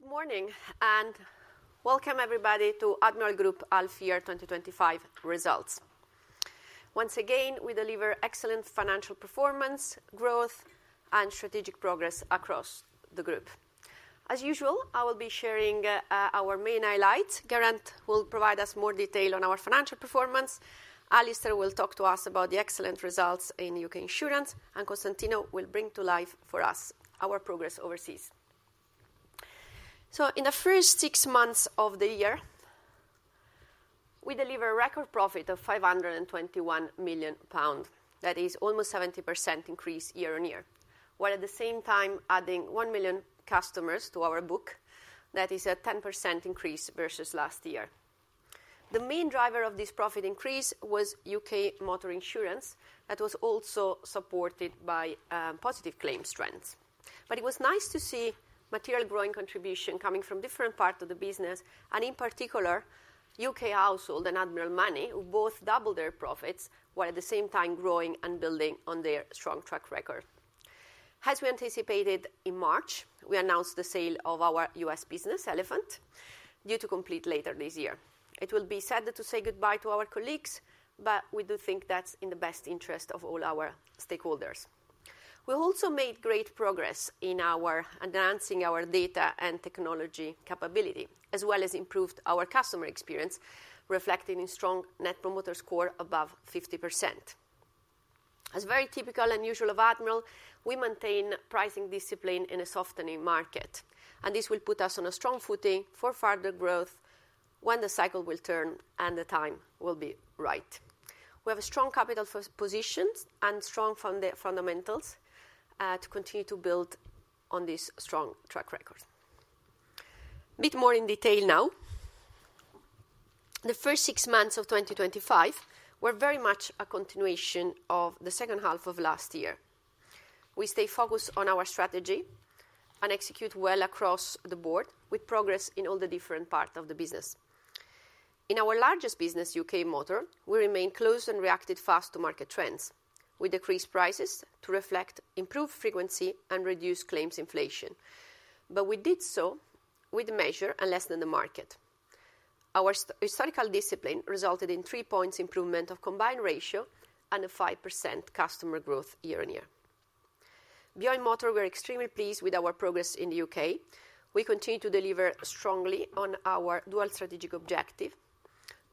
Good morning and welcome everybody to Admiral Group 2025 results. Once again, we deliver excellent financial performance, growth, and strategic progress across the group. As usual, I will be sharing our main highlights. Geraint will provide us more detail on our financial performance. Alistair will talk to us about the excellent results in U.K. insurance, and Costantino will bring to life for us our progress overseas. In the first six months of the year, we delivered a record profit of 521 million pounds. That is almost a 70% increase year-on-year, while at the same time adding 1 million customers to our book. That is a 10% increase versus last year. The main driver of this profit increase was U.K. Motor Insurance that was also supported by positive claims trends. It was nice to see a material growing contribution coming from different parts of the business, and in particular, U.K. Household and Admiral Money, who both doubled their profits while at the same time growing and building on their strong track record. As we anticipated, in March, we announced the sale of our U.S. business, Elephant Insurance, due to complete later this year. It will be sad to say goodbye to our colleagues, but we do think that's in the best interest of all our stakeholders. We also made great progress in enhancing our data and technology capability, as well as improved our customer experience, reflected in a strong Net Promoter Score above 50%. As very typical and usual of Admiral, we maintain pricing discipline in a softening market, and this will put us on a strong footing for further growth when the cycle will turn and the time will be right. We have a strong capital position and strong fundamentals to continue to build on this strong track record. A bit more in detail now. The first six months of 2025 were very much a continuation of the second half of last year. We stayed focused on our strategy and executed well across the board, with progress in all the different parts of the business. In our largest business, U.K. Motor, we remained close and reacted fast to market trends. We decreased prices to reflect improved frequency and reduced claims inflation, but we did so with a measure and less than the market. Our historical discipline resulted in a three-point improvement of combined ratio and a 5% customer growth year-on-year. Beyond motor, we're extremely pleased with our progress in the U.K.. We continue to deliver strongly on our dual strategic objective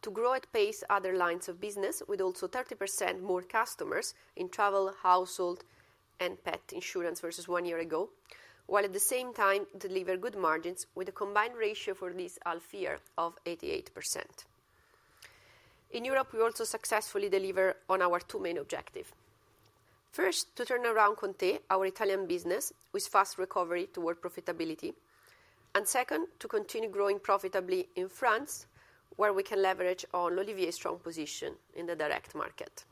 to grow at pace other lines of business, with also 30% more customers in Travel Insurance, U.K. Household Insurance, and Pet Insurance versus one year ago, while at the same time delivering good margins with a combined ratio for this area of 88%. In Europe, we also successfully delivered on our two main objectives. First, to turn around Conte, our Italian business, with fast recovery toward profitability, and second, to continue growing profitably in France, where we can leverage on Olivier's strong position in the direct market.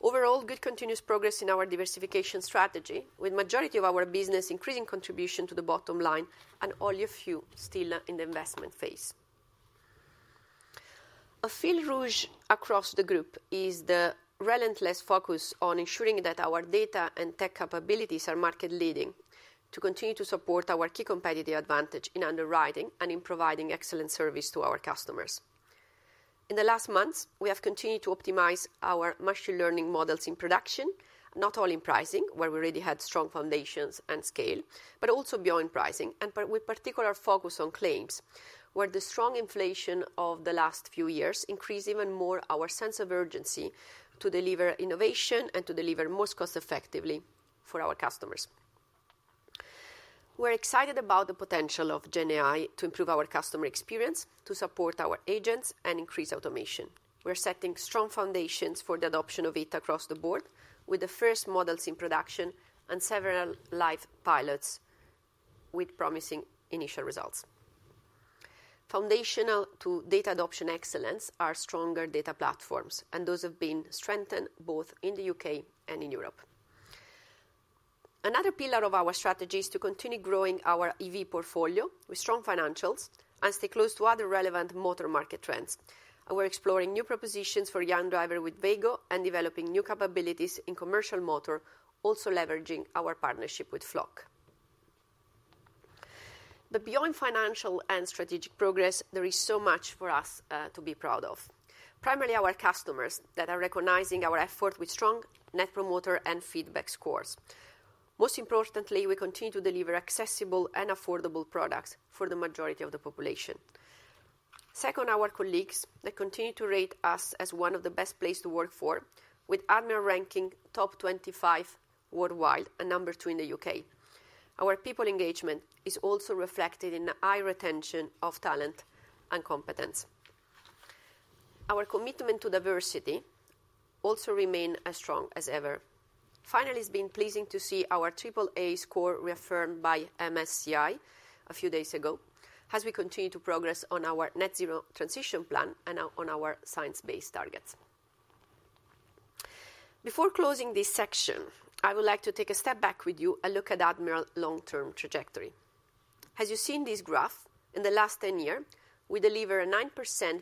Overall, good continuous progress in our diversification strategy, with the majority of our business increasing contribution to the bottom line and only a few still in the investment phase. A fil rouge across the group is the relentless focus on ensuring that our data and tech capabilities are market-leading to continue to support our key competitive advantage in underwriting and in providing excellent service to our customers. In the last months, we have continued to optimize our machine learning models in production, not only in pricing, where we already had strong foundations and scale, but also beyond pricing and with particular focus on claims, where the strong claims inflation of the last few years increased even more our sense of urgency to deliver innovation and to deliver most cost-effectively for our customers. We're excited about the potential of generative AI to improve our customer experience, to support our agents, and increase automation. We're setting strong foundations for the adoption of it across the board, with the first models in production and several live pilots with promising initial results. Foundational to data adoption excellence are stronger data platforms, and those have been strengthened both in the U.K. and in Europe. Another pillar of our strategy is to continue growing our EV portfolio with strong financials and stay close to other relevant motor market trends. We're exploring new propositions for young drivers with Veygo and developing new capabilities in commercial motor, also leveraging our partnership with Flock. Beyond financial and strategic progress, there is so much for us to be proud of. Primarily, our customers that are recognizing our effort with strong Net Promoter and feedback scores. Most importantly, we continue to deliver accessible and affordable products for the majority of the population. Second, our colleagues that continue to rate us as one of the best places to work for, with Admiral ranking top 25 worldwide and number two in the U.K. Our people engagement is also reflected in the high retention of talent and competence. Our commitment to diversity also remains as strong as ever. Finally, it's been pleasing to see our AAA score reaffirmed by MSCI a few days ago, as we continue to progress on our Net Zero transition plan and on our science-based targets. Before closing this section, I would like to take a step back with you and look at Admiral's long-term trajectory. As you see in this graph, in the last 10 years, we delivered a 9%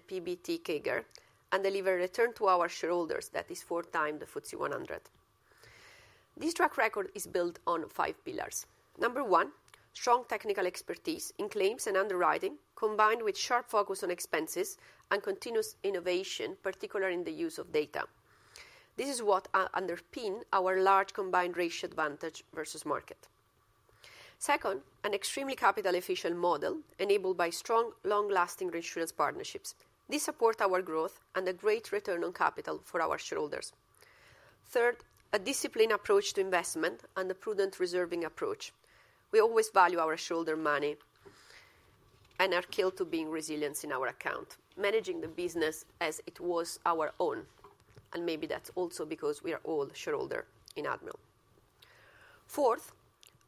PBT CAGR and delivered a return to our shareholders that is four times the FTSE 100. This track record is built on five pillars. Number one, strong technical expertise in claims and underwriting, combined with a sharp focus on expenses and continuous innovation, particularly in the use of data. This is what underpins our large combined ratio advantage versus market. Second, an extremely capital-efficient model enabled by strong, long-lasting reinsurance partnerships. This supports our growth and a great return on capital for our shareholders. Third, a disciplined approach to investment and a prudent reserving approach. We always value our shareholder money and are keen to bring resilience in our account, managing the business as it was our own, and maybe that's also because we are all shareholders in Admiral. Fourth,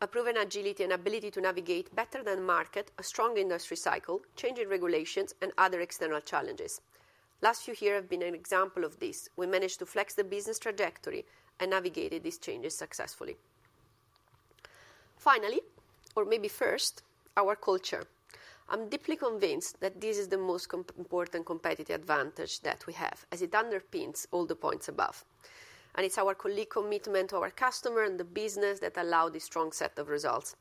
a proven agility and ability to navigate better than the market, a strong industry cycle, changing regulations, and other external challenges. Last few years have been an example of this. We managed to flex the business trajectory and navigated these changes successfully. Finally, or maybe first, our culture. I'm deeply convinced that this is the most important competitive advantage that we have, as it underpins all the points above. It's our colleagues' commitment to our customers and the business that allowed this strong set of results.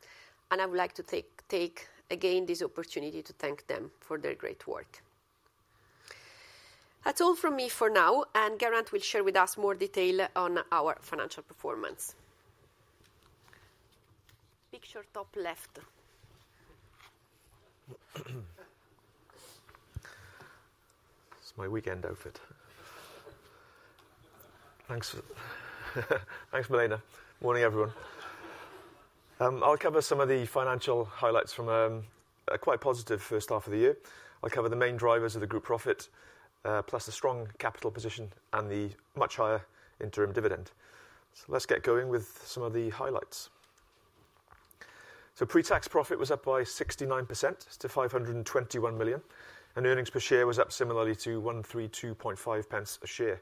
I would like to take again this opportunity to thank them for their great work. That's all from me for now, and Geraint will share with us more detail on our financial performance. Picture top left. It's my weekend outfit. Thanks, Milena. Morning, everyone. I'll cover some of the financial highlights from a quite positive first half of the year. I'll cover the main drivers of the group profit, plus a strong capital position and the much higher interim dividend. Let's get going with some of the highlights. Pre-tax profit was up by 69% to 521 million, and earnings per share was up similarly to 1.325 a share.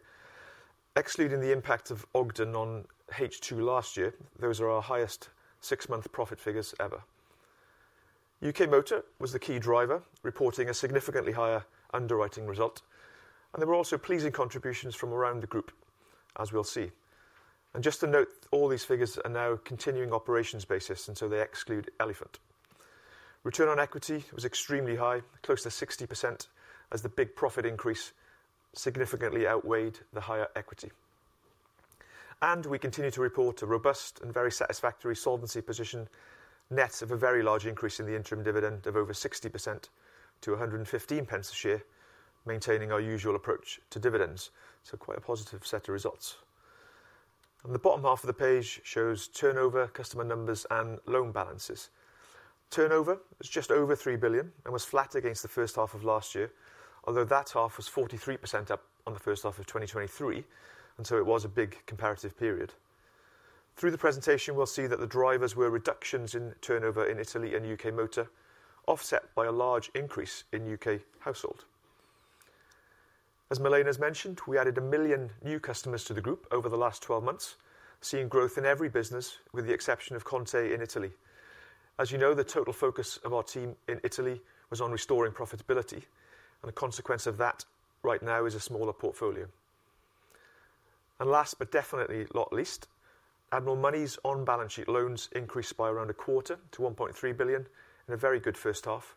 Excluding the impact of Ogden on H2 last year, those are our highest six-month profit figures ever. U.K. Motor was the key driver, reporting a significantly higher underwriting result. There were also pleasing contributions from around the group, as we'll see. Just to note, all these figures are now continuing operations basis, and so they exclude Elephant Insurance. Return on equity was extremely high, close to 60%, as the big profit increase significantly outweighed the higher equity. We continue to report a robust and very satisfactory solvency position, net of a very large increase in the interim dividend of over 60% to 1.15 a share, maintaining our usual approach to dividends. Quite a positive set of results. The bottom half of the page shows turnover, customer numbers, and loan balances. Turnover was just over 3 billion and was flat against the first half of last year, although that half was 43% up on the first half of 2023, and so it was a big comparative period. Through the presentation, we'll see that the drivers were reductions in turnover in Italy and U.K. Motor, offset by a large increase in U.K. Household. As Milena has mentioned, we added a million new customers to the group over the last 12 months, seeing growth in every business, with the exception of Conte in Italy. As you know, the total focus of our team in Italy was on restoring profitability, and a consequence of that right now is a smaller portfolio. Last but definitely not least, Admiral Money's on-balance sheet loans increased by around a quarter to 1.3 billion in a very good first half,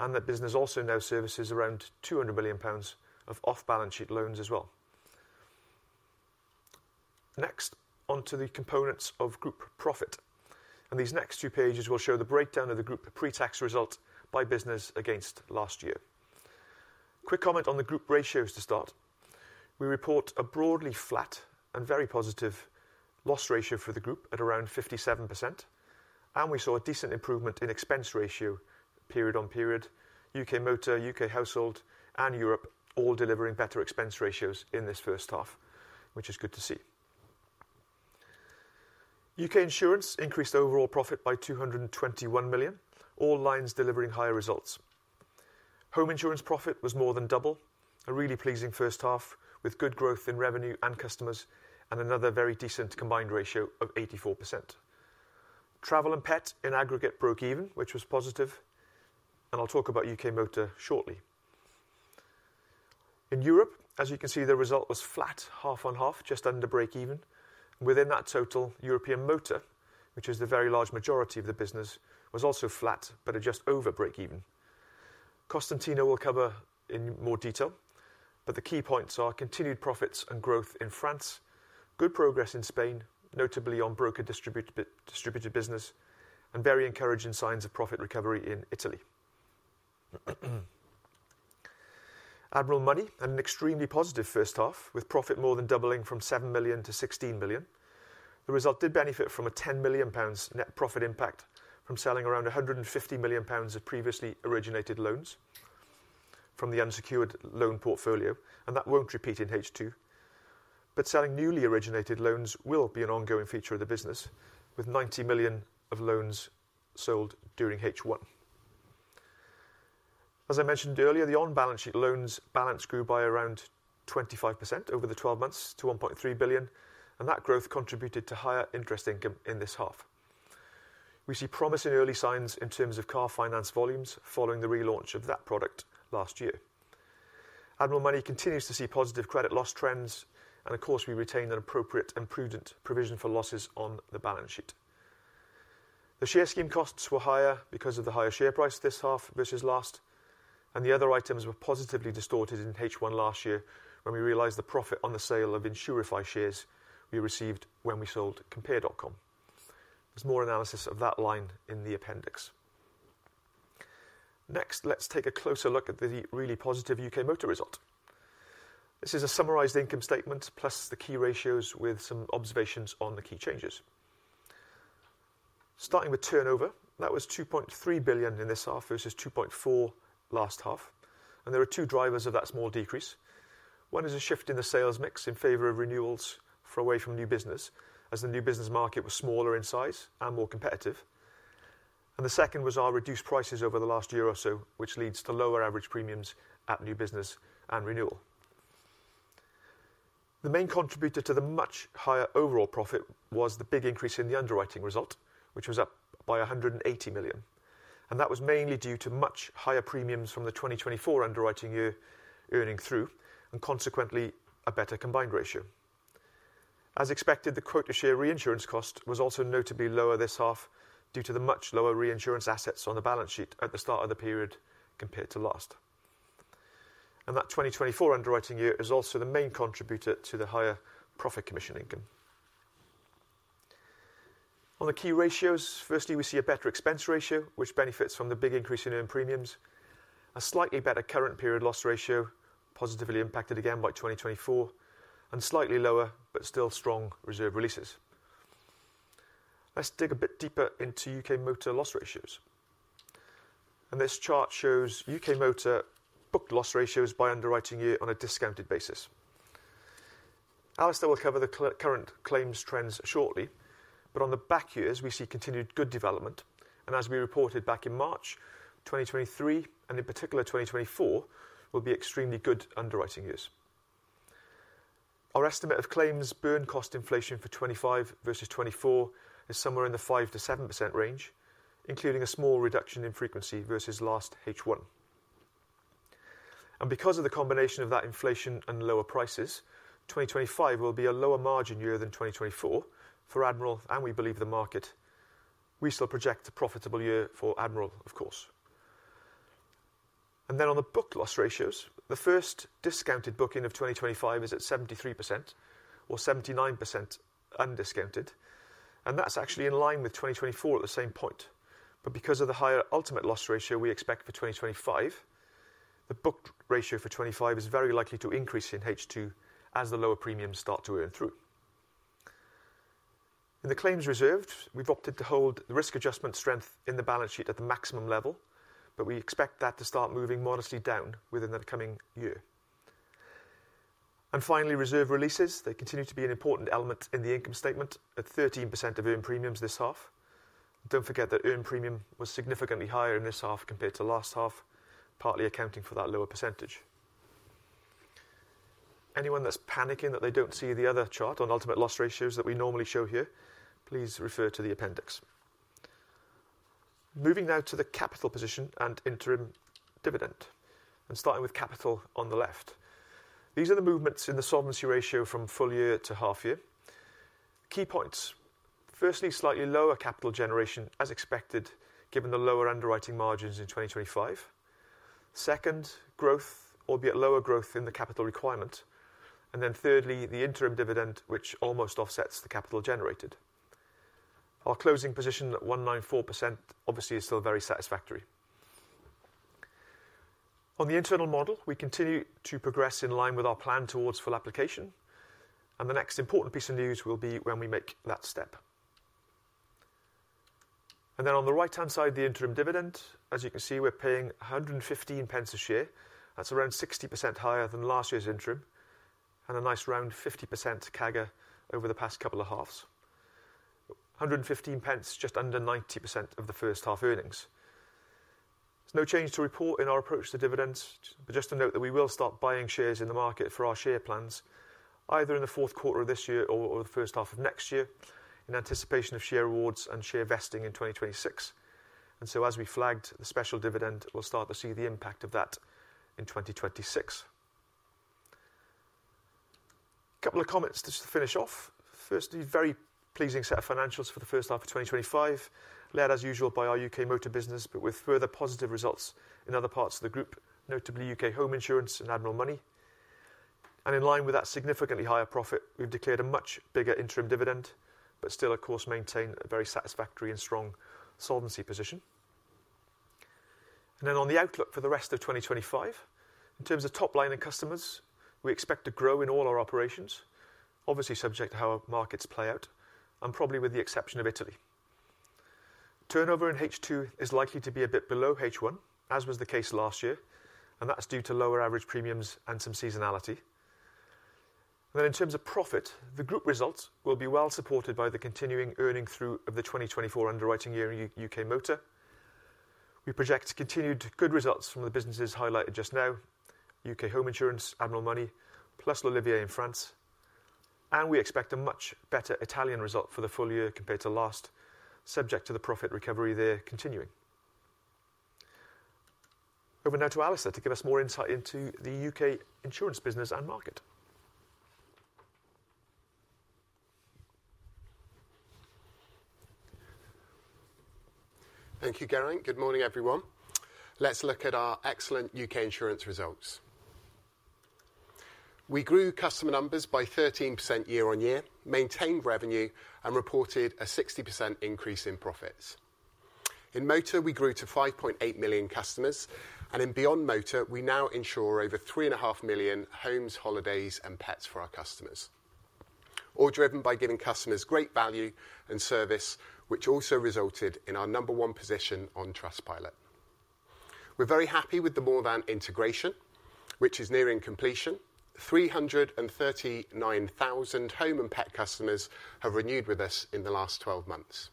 and that business also now services around 200 million pounds of off-balance sheet loans as well. Next, onto the components of group profit. These next two pages will show the breakdown of the group pre-tax result by business against last year. Quick comment on the group ratios to start. We report a broadly flat and very positive loss ratio for the group at around 57%, and we saw a decent improvement in expense ratio period on period. U.K. motor, U.K. household, and Europe all delivering better expense ratios in this first half, which is good to see. U.K. insurance increased overall profit by 221 million, all lines delivering higher results. Home insurance profit was More Th>n double, a really pleasing first half with good growth in revenue and customers, and another very decent combined ratio of 84%. Travel and pet in aggregate broke even, which was positive, and I'll talk about U.K. motor shortly. In Europe, as you can see, the result was flat half on half, just under break even. Within that total, European motor, which is the very large majority of the business, was also flat, but just over break even. Costantino will cover in more detail, but the key points are continued profits and growth in France, good progress in Spain, notably on broker distributed business, and very encouraging signs of profit recovery in Italy. Admiral Money had an extremely positive first half, with profit More Th>n doubling from 7 million-16 million. The result did benefit from a 10 million pounds net profit impact from selling around 150 million pounds of previously originated loans from the unsecured loan portfolio, and that won't repeat in H2. Selling newly originated loans will be an ongoing feature of the business, with 90 million of loans sold during H1. As I mentioned earlier, the on-balance sheet loans balance grew by around 25% over the 12 months to 1.3 billion, and that growth contributed to higher interest income in this half. We see promising early signs in terms of car finance volumes following the relaunch of that product last year. Admiral Money continues to see positive credit loss trends, and of course, we retain an appropriate and prudent provision for losses on the balance sheet. The share scheme costs were higher because of the higher share price this half versus last, and the other items were positively distorted in H1 last year when we realized the profit on the sale of Insurify shares we received when we sold compare.com. There's more analysis of that line in the appendix. Next, let's take a closer look at the really positive U.K. motor result. This is a summarized income statement plus the key ratios with some observations on the key changes. Starting with turnover, that was 2.3 billion in this half versus 2.4 billion last half, and there are two drivers of that small decrease. One is a shift in the sales mix in favor of renewals away from new business, as the new business market was smaller in size and more competitive. The second was our reduced prices over the last year or so, which leads to lower average premiums at new business and renewal. The main contributor to the much higher overall profit was the big increase in the underwriting result, which was up by 180 million. That was mainly due to much higher premiums from the 2024 underwriting year earning through, and consequently a better combined ratio. As expected, the quota share reinsurance cost was also notably lower this half due to the much lower reinsurance assets on the balance sheet at the start of the period compared to last. That 2024 underwriting year is also the main contributor to the higher profit commission income. On the key ratios, firstly, we see a better expense ratio, which benefits from the big increase in earned premiums, a slightly better current period loss ratio, positively impacted again by 2024, and slightly lower but still strong reserve releases. Let's dig a bit deeper into U.K. Motor Insurance loss ratios. This chart shows U.K. Motor Insurance booked loss ratios by underwriting year on a discounted basis. Alistair Hargreaves will cover the current claims trends shortly, but on the back years, we see continued good development. As we reported back in March 2023, and in particular, 2024 will be extremely good underwriting years. Our estimate of claims burn cost inflation for 2025 versus 2024 is somewhere in the 5%-7% range, including a small reduction in frequency versus last H1. Because of the combination of that inflation and lower prices, 2025 will be a lower margin year than 2024 for Admiral, and we believe the market. We still project a profitable year for Admiral, of course. On the book loss ratios, the first discounted booking of 2025 is at 73% or 79% undiscounted. That's actually in line with 2024 at the same point. Because of the higher ultimate loss ratio we expect for 2025, the book ratio for 2025 is very likely to increase in H2 as the lower premiums start to earn through. In the claims reserved, we've opted to hold the risk adjustment strength in the balance sheet at the maximum level, but we expect that to start moving modestly down within the coming year. Finally, reserve releases continue to be an important element in the income statement at 13% of earned premiums this half. Don't forget that earned premium was significantly higher in this half compared to last half, partly accounting for that lower percentage. Anyone that's panicking that they don't see the other chart on ultimate loss ratios that we normally show here, please refer to the appendix. Moving now to the capital position and interim dividend, and starting with capital on the left. These are the movements in the solvency ratio from full year to half year. Key points. Firstly, slightly lower capital generation as expected, given the lower underwriting margins in 2025. Second, growth, albeit lower growth in the capital requirement. Thirdly, the interim dividend, which almost offsets the capital generated. Our closing position at 194% is still very satisfactory. On the internal model, we continue to progress in line with our plan towards full application. The next important piece of news will be when we make that step. On the right-hand side, the interim dividend, as you can see, we're paying 1.15 a share. That's around 60% higher than last year's interim and a nice round 50% CAGR over the past couple of halves. 1.15, just under 90% of the first half earnings. There's no change to report in our approach to dividends, but just to note that we will start buying shares in the market for our share plans either in the fourth quarter of this year or the first half of next year in anticipation of share awards and share vesting in 2026. As we flagged, the special dividend will start to see the impact of that in 2026. A couple of comments just to finish off. First, these very pleasing set of financials for the first half of 2025, led as usual by our U.K. Motor Insurance business, but with further positive results in other parts of the group, notably U.K. Household Insurance and Admiral Money. In line with that significantly higher profit, we've declared a much bigger interim dividend, but still, of course, maintain a very satisfactory and strong solvency position. On the outlook for the rest of 2025, in terms of top line and customers, we expect to grow in all our operations, obviously subject to how markets play out, and probably with the exception of Italy. Turnover in H2 is likely to be a bit below H1, as was the case last year, and that's due to lower average premiums and some seasonality. In terms of profit, the group results will be well supported by the continuing earning through of the 2024 underwriting year in U.K. motor. We project continued good results from the businesses highlighted just now: U.K. home insurance, Admiral Money, plus Olivier in France. We expect a much better Italian result for the full year compared to last, subject to the profit recovery there continuing. Over now to Alistair to give us more insight into the U.K. insurance business and market. Thank you, Geraint. Good morning, everyone. Let's look at our excellent U.K. insurance results. We grew customer numbers by 13% year-on-year, maintained revenue, and reported a 60% increase in profits. In motor, we grew to 5.8 million customers, and in beyond motor, we now insure over 3.5 million homes, holidays, and pets for our customers, all driven by giving customers great value and service, which also resulted in our number one position on Trustpilot. We're very happy with the More Th>n integration, which is nearing completion. 339,000 home and pet customers have renewed with us in the last 12 months.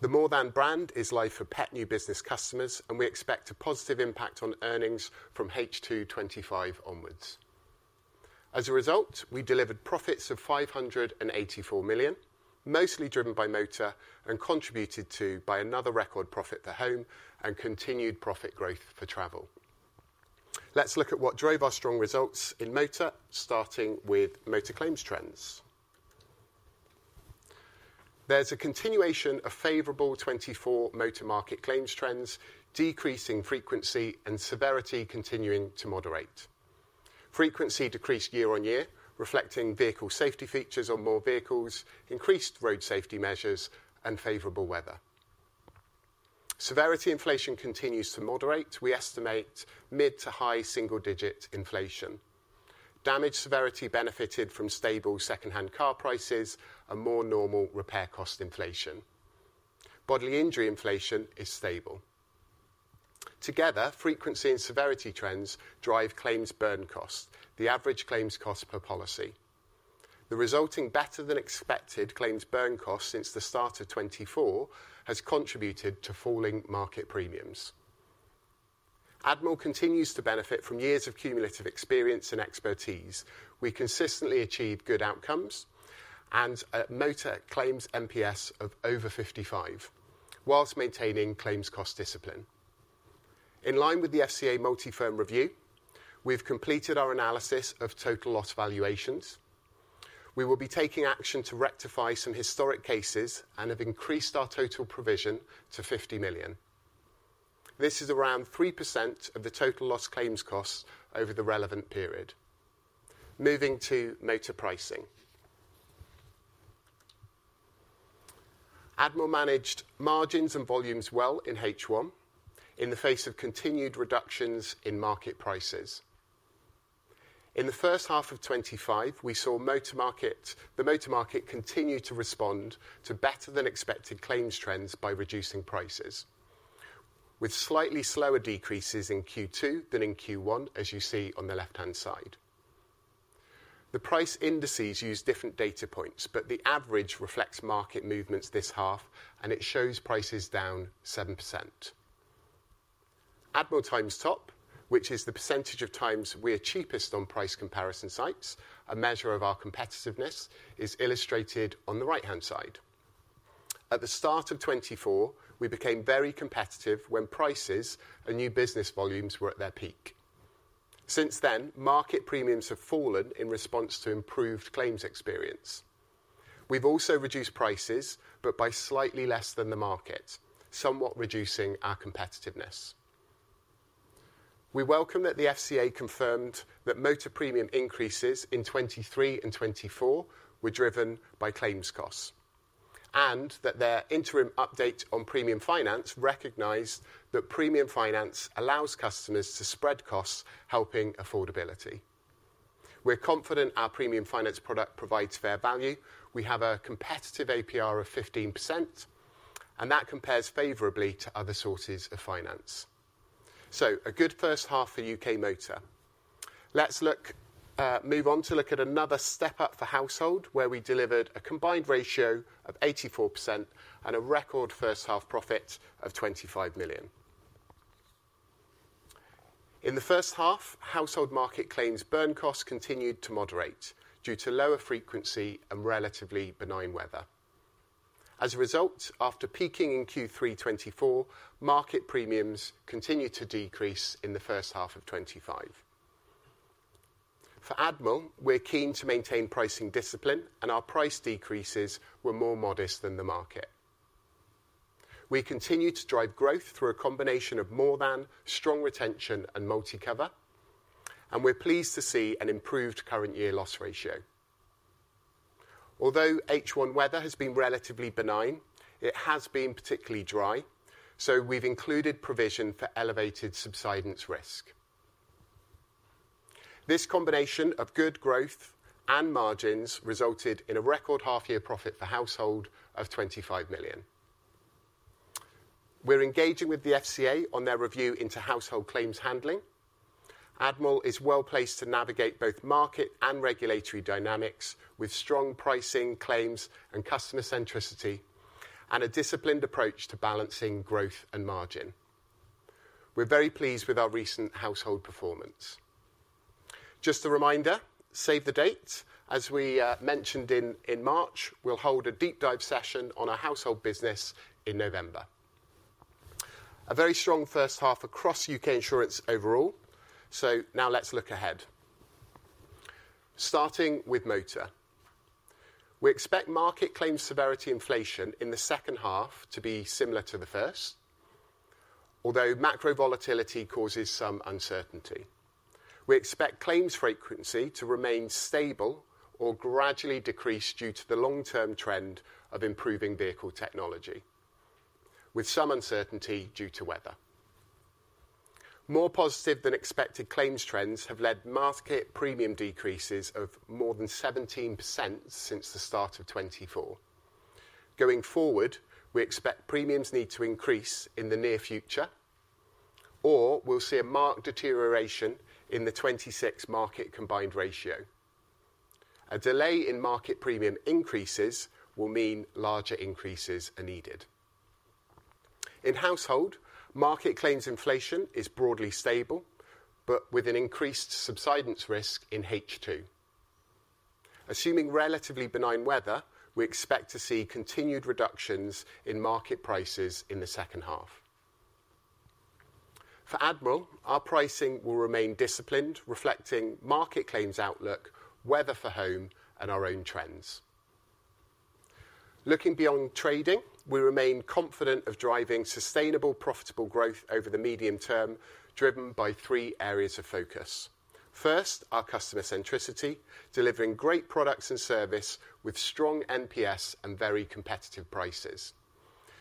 The More Th>n brand is live for pet new business customers, and we expect a positive impact on earnings from H2 2025 onwards. As a result, we delivered profits of 584 million, mostly driven by motor and contributed to by another record profit for home and continued profit growth for travel. Let's look at what drove our strong results in motor, starting with motor claims trends. There's a continuation of favorable 2024 motor market claims trends, decreasing frequency and severity continuing to moderate. Frequency decreased year-on-year, reflecting vehicle safety features on more vehicles, increased road safety measures, and favorable weather. Severity inflation continues to moderate. We estimate mid to high single-digit inflation. Damage severity benefited from stable second-hand car prices and more normal repair cost inflation. Bodily injury inflation is stable. Together, frequency and severity trends drive claims burn cost, the average claims cost per policy. The resulting better-than-expected claims burn cost since the start of 2024 has contributed to falling market premiums. Admiral continues to benefit from years of cumulative experience and expertise. We consistently achieve good outcomes and a motor claims MPS of over 55, whilst maintaining claims cost discipline. In line with the FCA Multi-Firm Review, we've completed our analysis of total loss valuations. We will be taking action to rectify some historic cases and have increased our total provision to 50 million. This is around 3% of the total loss claims costs over the relevant period. Moving to motor pricing. Admiral managed margins and volumes well in H1 in the face of continued reductions in market prices. In the first half of 2025, we saw the motor market continue to respond to better-than-expected claims trends by reducing prices, with slightly slower decreases in Q2 than in Q1, as you see on the left-hand side. The price indices use different data points, but the average reflects market movements this half, and it shows prices down 7%. Admiral times top, which is the percentage of times we are cheapest on price comparison sites, a measure of our competitiveness, is illustrated on the right-hand side. At the start of 2024, we became very competitive when prices and new business volumes were at their peak. Since then, market premiums have fallen in response to improved claims experience. We've also reduced prices, but by slightly less than the market, somewhat reducing our competitiveness. We welcome that the FCA confirmed that motor premium increases in 2023 and 2024 were driven by claims costs, and that their interim update on premium finance recognized that premium finance allows customers to spread costs, helping affordability. We're confident our premium finance product provides fair value. We have a competitive APR of 15%, and that compares favorably to other sources of finance. A good first half for U.K. Motor. Let's move on to look at another step up for household, where we delivered a combined ratio of 84% and a record first half profit of 25 million. In the first half, household market claims burn costs continued to moderate due to lower frequency and relatively benign weather. As a result, after peaking in Q3 2024, market premiums continued to decrease in the first half of 2025. For Admiral, we're keen to maintain pricing discipline, and our price decreases were more modest than the market. We continue to drive growth through a combination of More Th>n, strong retention, and multi-cover, and we're pleased to see an improved current year loss ratio. Although H1 weather has been relatively benign, it has been particularly dry, so we've included provision for elevated subsidence risk. This combination of good growth and margins resulted in a record half-year profit for household of 25 million. We're engaging with the FCA on their review into household claims handling. Admiral is well placed to navigate both market and regulatory dynamics with strong pricing, claims, and customer centricity, and a disciplined approach to balancing growth and margin. We're very pleased with our recent household performance. Just a reminder, save the dates. As we mentioned in March, we'll hold a deep dive session on our household business in November. A very strong first half across U.K. insurance overall. Now let's look ahead. Starting with motor, we expect market claims severity inflation in the second half to be similar to the first, although macro volatility causes some uncertainty. We expect claims frequency to remain stable or gradually decrease due to the long-term trend of improving vehicle technology, with some uncertainty due to weather. More positive than expected claims trends have led to market premium decreases of More Th>n 17% since the start of 2024. Going forward, we expect premiums need to increase in the near future, or we'll see a marked deterioration in the 2026 market combined ratio. A delay in market premium increases will mean larger increases are needed. In household, market claims inflation is broadly stable, but with an increased subsidence risk in H2. Assuming relatively benign weather, we expect to see continued reductions in market prices in the second half. For Admiral, our pricing will remain disciplined, reflecting market claims outlook, weather for home, and our own trends. Looking beyond trading, we remain confident of driving sustainable, profitable growth over the medium term, driven by three areas of focus. First, our customer centricity, delivering great products and service with strong NPS and very competitive prices.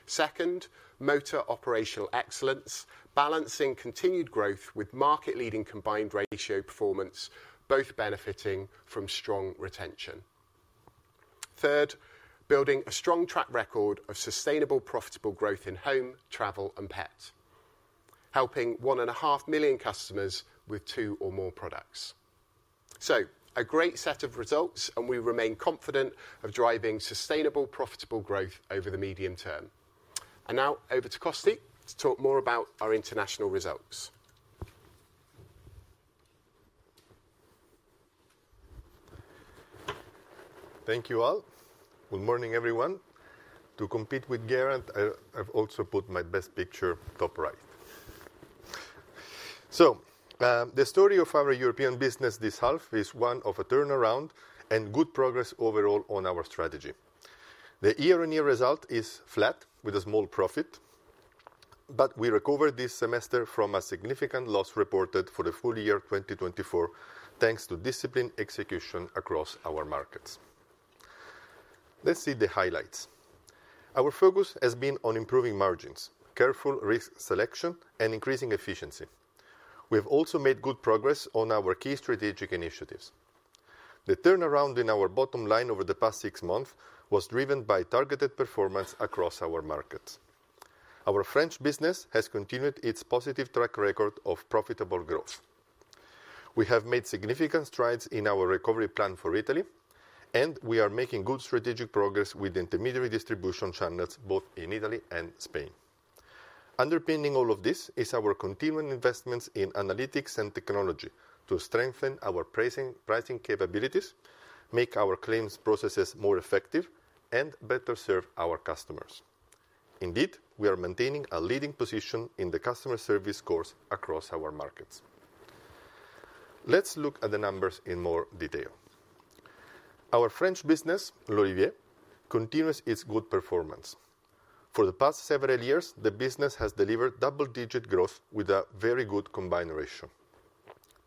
Second, motor operational excellence, balancing continued growth with market-leading combined ratio performance, both benefiting from strong retention. Third, building a strong track record of sustainable, profitable growth in home, travel, and pet, helping 1.5 million customers with two or more products. A great set of results, and we remain confident of driving sustainable, profitable growth over the medium term. Now, over to Costy to talk more about our international results. Thank you all. Good morning, everyone. To compete with Geraint, I've also put my best picture top right. The story of our European business this half is one of a turnaround and good progress overall on our strategy. The year-on-year result is flat with a small profit, but we recovered this semester from a significant loss reported for the full year 2024, thanks to disciplined execution across our markets. Let's see the highlights. Our focus has been on improving margins, careful risk selection, and increasing efficiency. We have also made good progress on our key strategic initiatives. The turnaround in our bottom line over the past six months was driven by targeted performance across our markets. Our French business has continued its positive track record of profitable growth. We have made significant strides in our recovery plan for Italy, and we are making good strategic progress with intermediary distribution channels both in Italy and Spain. Underpinning all of this is our continuing investments in analytics and technology to strengthen our pricing capabilities, make our claims processes more effective, and better serve our customers. Indeed, we are maintaining a leading position in the customer service scores across our markets. Let's look at the numbers in more detail. Our French business, Olivier, continues its good performance. For the past several years, the business has delivered double-digit growth with a very good combined ratio,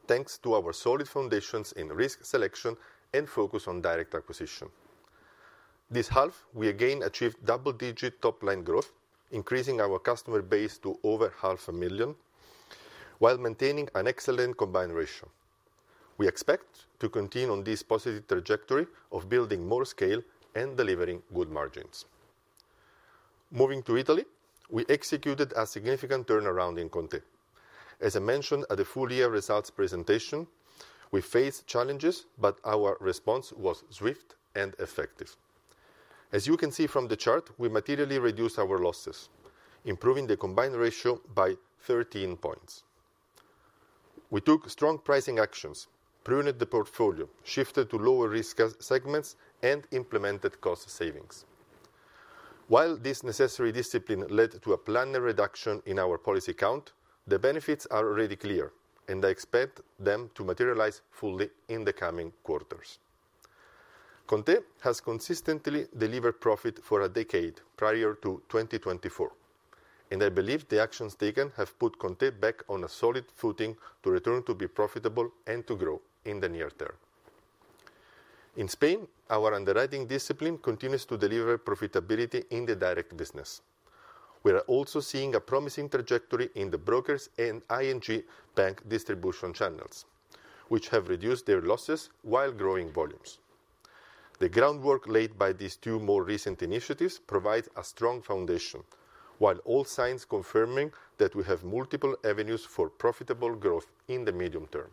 thanks to our solid foundations in risk selection and focus on direct acquisition. This half, we again achieved double-digit top-line growth, increasing our customer base to over half a million, while maintaining an excellent combined ratio. We expect to continue on this positive trajectory of building more scale and delivering good margins. Moving to Italy, we executed a significant turnaround in Conte. As I mentioned at the full-year results presentation, we faced challenges, but our response was swift and effective. As you can see from the chart, we materially reduced our losses, improving the combined ratio by 13 points. We took strong pricing actions, pruned the portfolio, shifted to lower risk segments, and implemented cost savings. While this necessary discipline led to a planned reduction in our policy count, the benefits are already clear, and I expect them to materialize fully in the coming quarters. Conte has consistently delivered profit for a decade prior to 2024, and I believe the actions taken have put Conte back on a solid footing to return to be profitable and to grow in the near term. In Spain, our underwriting discipline continues to deliver profitability in the direct business. We are also seeing a promising trajectory in the brokers and ING Bank distribution channels, which have reduced their losses while growing volumes. The groundwork laid by these two more recent initiatives provides a strong foundation, while all signs confirm that we have multiple avenues for profitable growth in the medium term.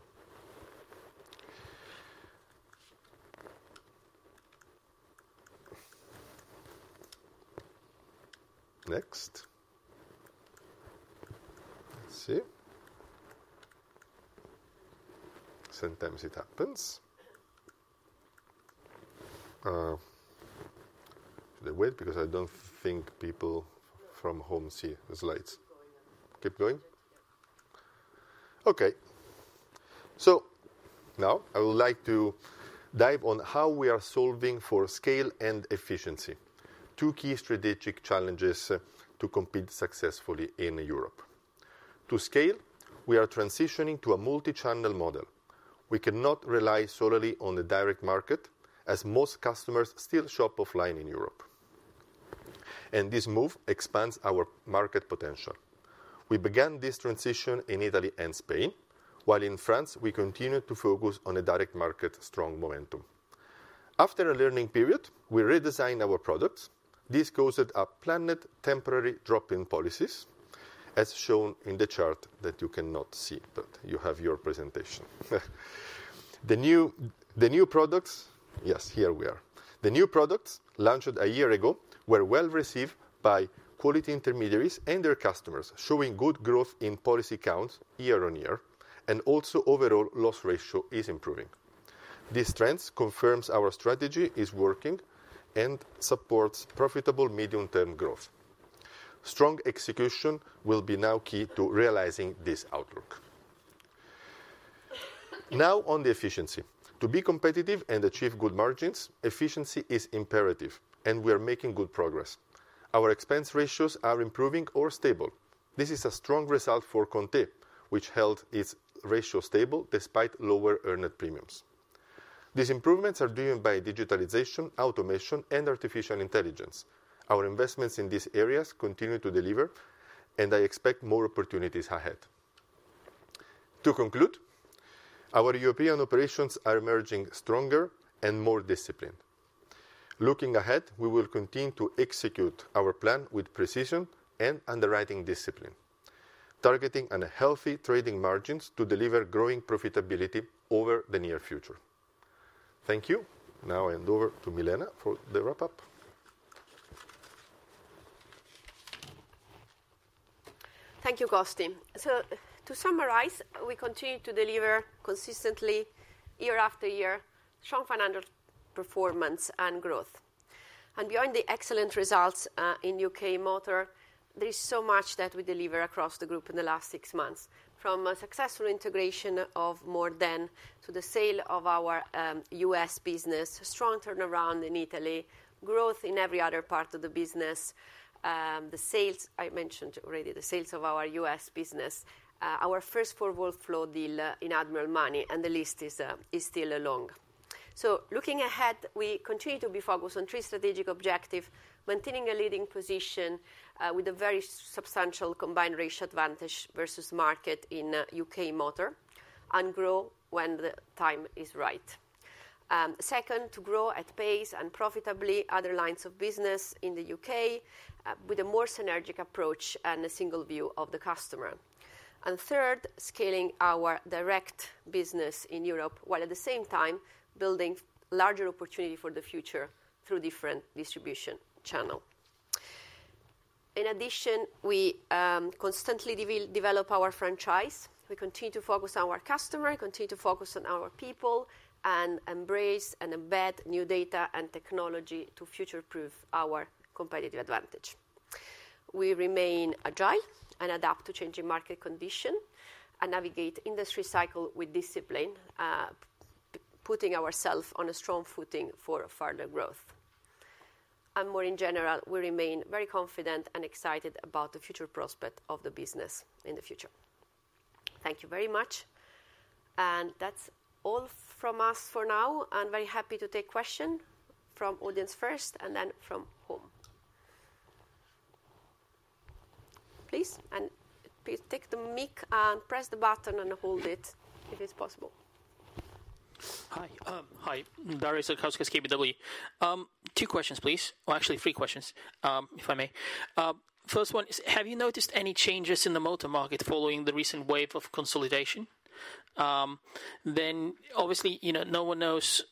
Next. Let's see. Sometimes it happens. They wait because I don't think people from home see the slides. Keep going. Okay. Now I would like to dive on how we are solving for scale and efficiency, two key strategic challenges to compete successfully in Europe. To scale, we are transitioning to a multi-channel model. We cannot rely solely on the direct market, as most customers still shop offline in Europe. This move expands our market potential. We began this transition in Italy and Spain, while in France, we continued to focus on the direct market strong momentum. After a learning period, we redesigned our products. This caused a planned temporary drop in policies, as shown in the chart that you cannot see, but you have your presentation. The new products, yes, here we are. The new products launched a year ago were well received by quality intermediaries and their customers, showing good growth in policy counts year-on-year, and also overall loss ratio is improving. These trends confirm our strategy is working and support profitable medium-term growth. Strong execution will be now key to realizing this outlook. Now on the efficiency. To be competitive and achieve good margins, efficiency is imperative, and we are making good progress. Our expense ratios are improving or stable. This is a strong result for Conte, which held its ratio stable despite lower earned premiums. These improvements are driven by digitalization, automation, and artificial intelligence. Our investments in these areas continue to deliver, and I expect more opportunities ahead. To conclude, our European operations are emerging stronger and more disciplined. Looking ahead, we will continue to execute our plan with precision and underwriting discipline, targeting healthy trading margins to deliver growing profitability over the near future. Thank you. Now I hand over to Milena for the wrap-up. Thank you, Costy. To summarize, we continue to deliver consistently, year after year, strong financial performance and growth. Beyond the excellent results in U.K. Motor Insurance, there is so much that we delivered across the group in the last six months, from a successful integration of More Th>n to the sale of our U.S. business, strong turnaround in Italy, growth in every other part of the business, the sales I mentioned already, the sales of our U.S. business, our first forward flow deal in Admiral Money, and the list is still long. Looking ahead, we continue to be focused on three strategic objectives: maintaining a leading position with a very substantial combined ratio advantage versus market in U.K. Motor Insurance, and grow when the time is right. Second, to grow at pace and profitably other lines of business in the U.K. with a more synergic approach and a single view of the customer. Third, scaling our direct business in Europe, while at the same time building larger opportunity for the future through different distribution channels. In addition, we constantly develop our franchise. We continue to focus on our customers, continue to focus on our people, and embrace and embed new data and technology to future-proof our competitive advantage. We remain agile and adapt to changing market conditions and navigate industry cycles with discipline, putting ourselves on a strong footing for further growth. More in general, we remain very confident and excited about the future prospects of the business in the future. Thank you very much. That's all from us for now. I'm very happy to take questions from audience first and then from home. Please, take the mic and press the button and hold it if it's possible. Darius Satkauskas, KBW. Two questions, please. Actually, three questions, if I may. First one is, have you noticed any changes in the motor market following the recent wave of consolidation? Obviously, you know, no one knows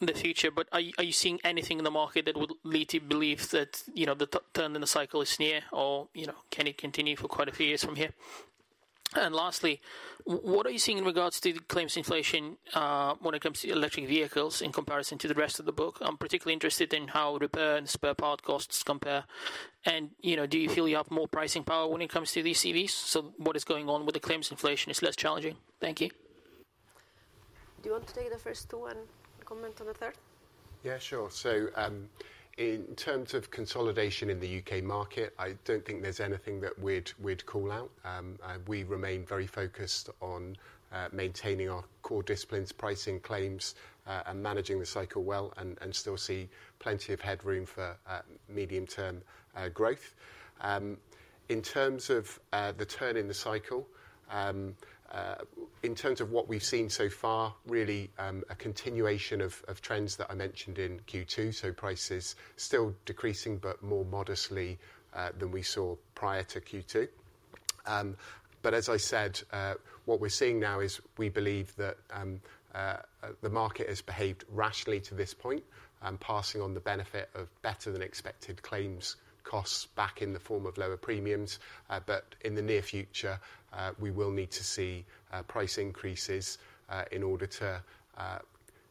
the future, but are you seeing anything in the market that would lead to belief that, you know, the turn in the cycle is near or, you know, can it continue for quite a few years from here? Lastly, what are you seeing in regards to the claims inflation when it comes to electric vehicles in comparison to the rest of the book? I'm particularly interested in how returns per part costs compare. You know, do you feel you have more pricing power when it comes to these EVs? What is going on with the claims inflation is less challenging. Thank you. Do you want to take the first two and comment on the third? Yeah, sure. In terms of consolidation in the U.K. market, I don't think there's anything that we'd call out. We remain very focused on maintaining our core disciplines, pricing claims, and managing the cycle well, and still see plenty of headroom for medium-term growth. In terms of the turn in the cycle, in terms of what we've seen so far, really a continuation of trends that I mentioned in Q2. Prices are still decreasing, but more modestly than we saw prior to Q2. As I said, what we're seeing now is we believe that the market has behaved rationally to this point, passing on the benefit of better-than-expected claims costs back in the form of lower premiums. In the near future, we will need to see price increases in order to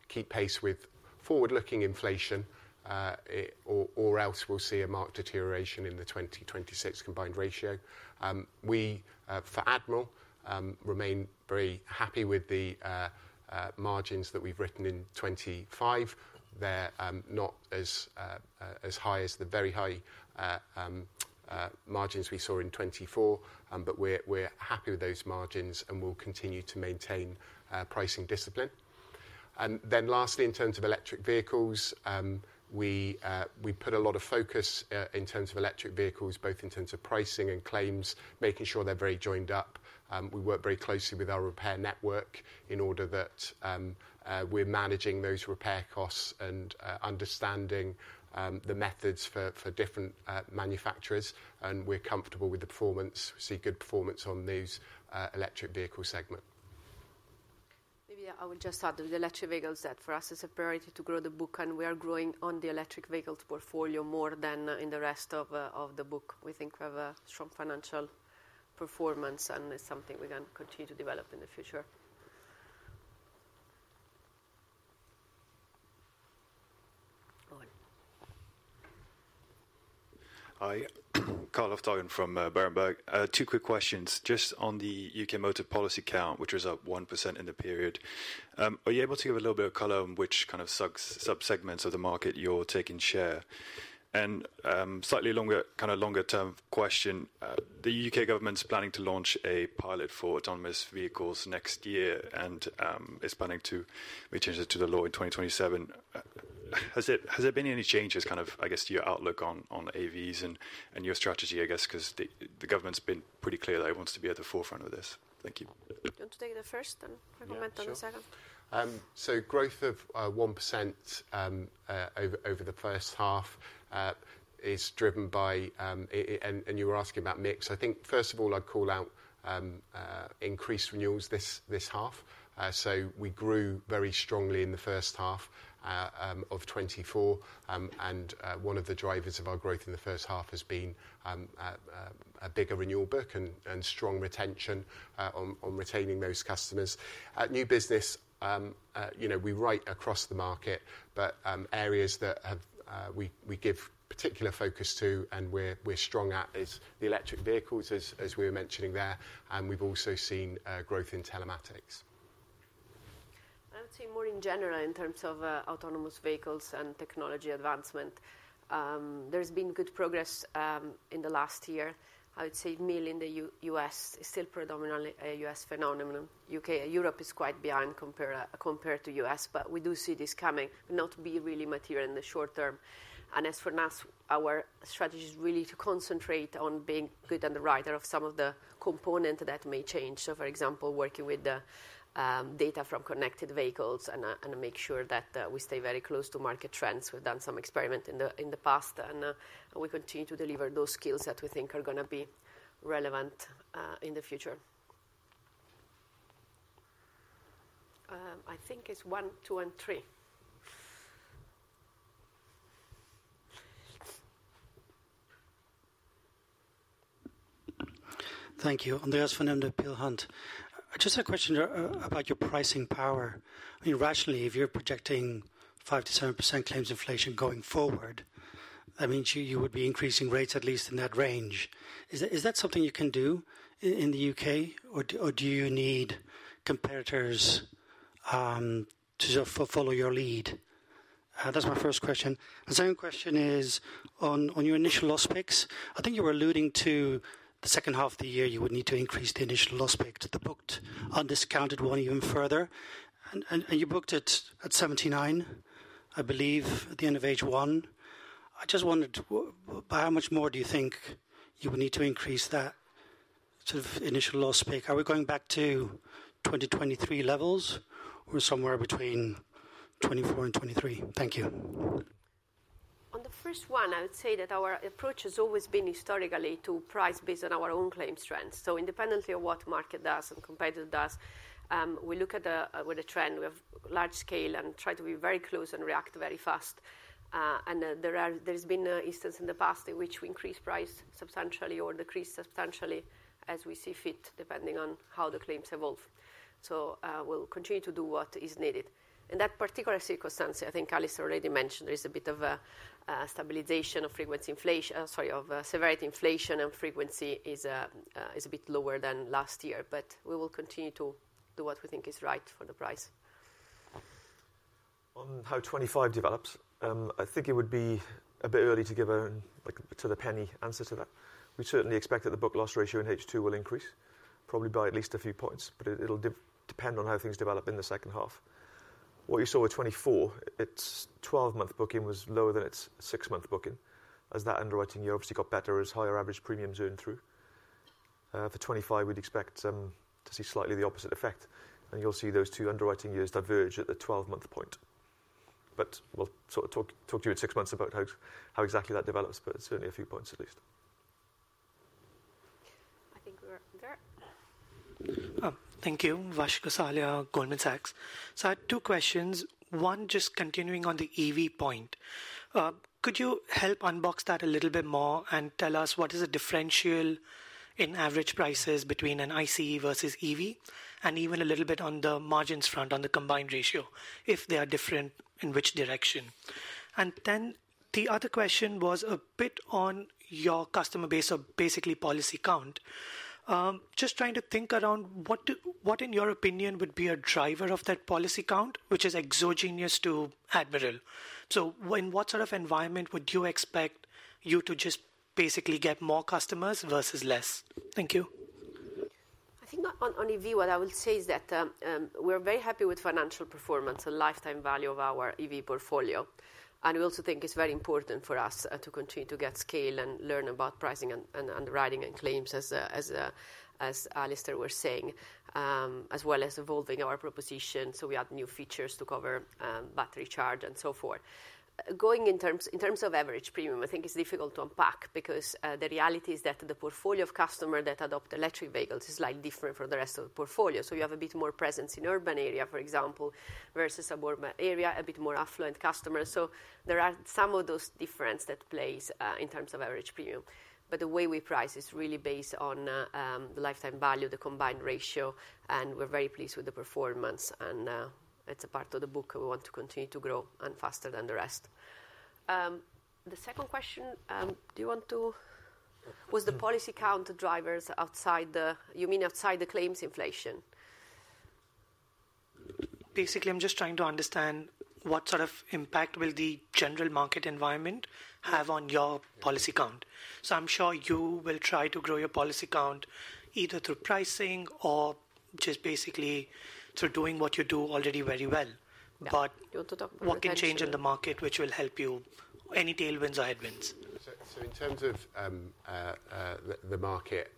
keep pace with forward-looking inflation, or else we'll see a marked deterioration in the 2026 combined ratio. We, for Admiral, remain very happy with the margins that we've written in 2025. They're not as high as the very high margins we saw in 2024, but we're happy with those margins and will continue to maintain pricing discipline. Lastly, in terms of electric vehicles, we put a lot of focus in terms of electric vehicles, both in terms of pricing and claims, making sure they're very joined up. We work very closely with our repair network in order that we're managing those repair costs and understanding the methods for different manufacturers, and we're comfortable with the performance. We see good performance on these electric vehicle segments. Maybe I will just add to the electric vehicles that for us it's a priority to grow the book, and we are growing on the electric vehicle portfolio More Th>n in the rest of the book. We think we have a strong financial performance, and it's something we can continue to develop in the future. Carl Lofthagen from Berenberg. Two quick questions. Just on the U.K. motor policy count, which was up 1% in the period, are you able to give a little bit of color on which kind of subsegments of the market you're taking share? Slightly longer, kind of longer-term question, the U.K. government's planning to launch a pilot for autonomous vehicles next year and is planning to change the law in 2027. Has there been any changes, kind of, I guess, to your outlook on AVs and your strategy, I guess, because the government's been pretty clear that it wants to be at the forefront of this. Thank you. Do you want to take the first and comment on the second? Growth of 1% over the first half is driven by, and you were asking about mix. I think, first of all, I'd call out increased renewals this half. We grew very strongly in the first half of 2024, and one of the drivers of our growth in the first half has been a bigger renewal book and strong retention on retaining those customers. At new business, you know, we write across the market, but areas that we give particular focus to and we're strong at is the electric vehicles, as we were mentioning there. We've also seen growth in telematics. I would say more in general, in terms of autonomous vehicles and technology advancement, there's been good progress in the last year. I would say mill in the U.S. is still predominantly a U.S. phenomenon. Europe is quite behind compared to the U.S., but we do see this coming, not really material in the short term. As for us, our strategy is really to concentrate on being good on the rider of some of the components that may change. For example, working with the data from connected vehicles and making sure that we stay very close to market trends. We've done some experiments in the past, and we continue to deliver those skills that we think are going to be relevant in the future. I think it's one, two, and three. Thank you. Andreas from Peel Hunt. I just have a question about your pricing power. I mean, rationally, if you're projecting 5%-7% claims inflation going forward, that means you would be increasing rates at least in that range. Is that something you can do in the U.K., or do you need competitors to follow your lead? That's my first question. The second question is on your initial loss mix. I think you were alluding to the second half of the year you would need to increase the initial loss mix, the booked undiscounted one, even further. You booked it at 79, I believe, at the end of H1. I just wondered, by how much more do you think you would need to increase that sort of initial loss mix? Are we going back to 2023 levels or somewhere between 2024 and 2023? Thank you. On the first one, I would say that our approach has always been historically to price based on our own claims trends. Independently of what the market does and competitors do, we look at the trend. We have large scale and try to be very close and react very fast. There have been instances in the past in which we increase price substantially or decrease substantially as we see fit, depending on how the claims evolve. We will continue to do what is needed. In that particular circumstance, I think Alistair already mentioned there is a bit of a stabilization of severity inflation, and frequency is a bit lower than last year, but we will continue to do what we think is right for the price. On how 2025 developed, I think it would be a bit early to give a penny answer to that. We certainly expect that the book loss ratio in H2 will increase probably by at least a few points, but it'll depend on how things develop in the second half. What you saw with 2024, its 12-month booking was lower than its six-month booking, as that underwriting year obviously got better as higher average premiums earned through. For 2025, we'd expect to see slightly the opposite effect, and you'll see those two underwriting years diverge at the 12-month point. We'll talk to you in six months about how exactly that develops, but it's certainly a few points at least. I think we're there. Thank you. Vash Gosalia, Goldman Sachs Group Inc. I have two questions. One, just continuing on the EV point. Could you help unbox that a little bit more and tell us what is the differential in average prices between an ICE versus EV, and even a little bit on the margins front, on the combined ratio, if they are different, in which direction? The other question was a bit on your customer base, or basically policy count. Just trying to think around what in your opinion would be a driver of that policy count, which is exogenous to Admiral. In what sort of environment would you expect you to just basically get more customers versus less? Thank you. I think on EV, what I would say is that we're very happy with financial performance, the lifetime value of our EV portfolio. We also think it's very important for us to continue to get scale and learn about pricing and underwriting and claims, as Alistair was saying, as well as evolving our proposition. We add new features to cover battery charge and so forth. In terms of average premium, I think it's difficult to unpack because the reality is that the portfolio of customers that adopt electric vehicles is slightly different from the rest of the portfolio. You have a bit more presence in urban areas, for example, versus a more area, a bit more affluent customer. There are some of those differences that play in terms of average premium. The way we price is really based on the lifetime value, the combined ratio, and we're very pleased with the performance. It's a part of the book we want to continue to grow and faster than the rest. The second question, do you want to, was the policy count drivers outside the, you mean outside the claims inflation? Basically, I'm just trying to understand what sort of impact will the general market environment have on your policy count. I'm sure you will try to grow your policy count either through pricing or just basically through doing what you do already very well. What can change in the market which will help you, any tailwinds or headwinds? In terms of the market,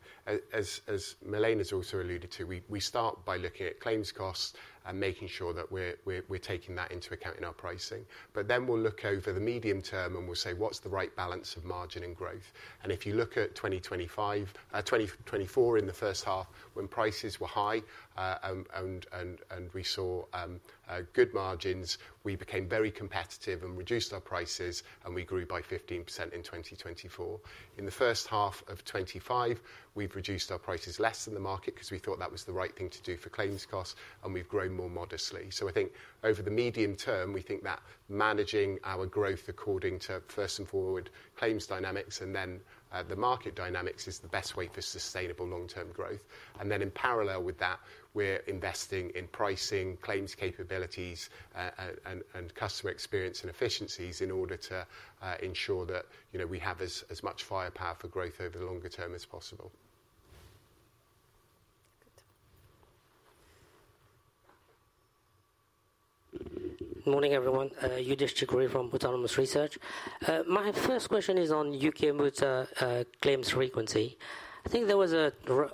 as Milena's also alluded to, we start by looking at claims costs and making sure that we're taking that into account in our pricing. We look over the medium term and we'll say, what's the right balance of margin and growth? If you look at 2024, in the first half, when prices were high and we saw good margins, we became very competitive and reduced our prices, and we grew by 15% in 2024. In the first half of 2025, we've reduced our prices less than the market because we thought that was the right thing to do for claims costs, and we've grown more modestly. I think over the medium term, we think that managing our growth according to first and forward claims dynamics and then the market dynamics is the best way for sustainable long-term growth. In parallel with that, we're investing in pricing, claims capabilities, and customer experience and efficiencies in order to ensure that we have as much firepower for growth over the longer term as possible. Morning everyone. Youdish Chicooree from Bernstein Autonomous LLP. My first question is on U.K. Motor Insurance claims frequency. I think there was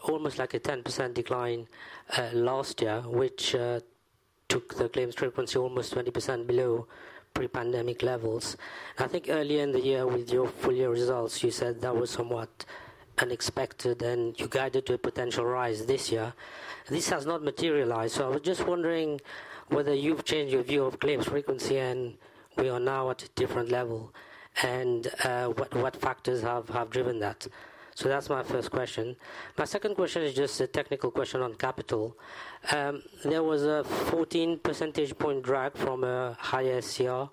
almost like a 10% decline last year, which took the claims frequency almost 20% below pre-pandemic levels. I think earlier in the year with your full-year results, you said that was somewhat unexpected and you guided to a potential rise this year. This has not materialized. I was just wondering whether you've changed your view of claims frequency and we are now at a different level and what factors have driven that. That's my first question. My second question is just a technical question on capital. There was a 14 percentage point drop from a higher combined ratio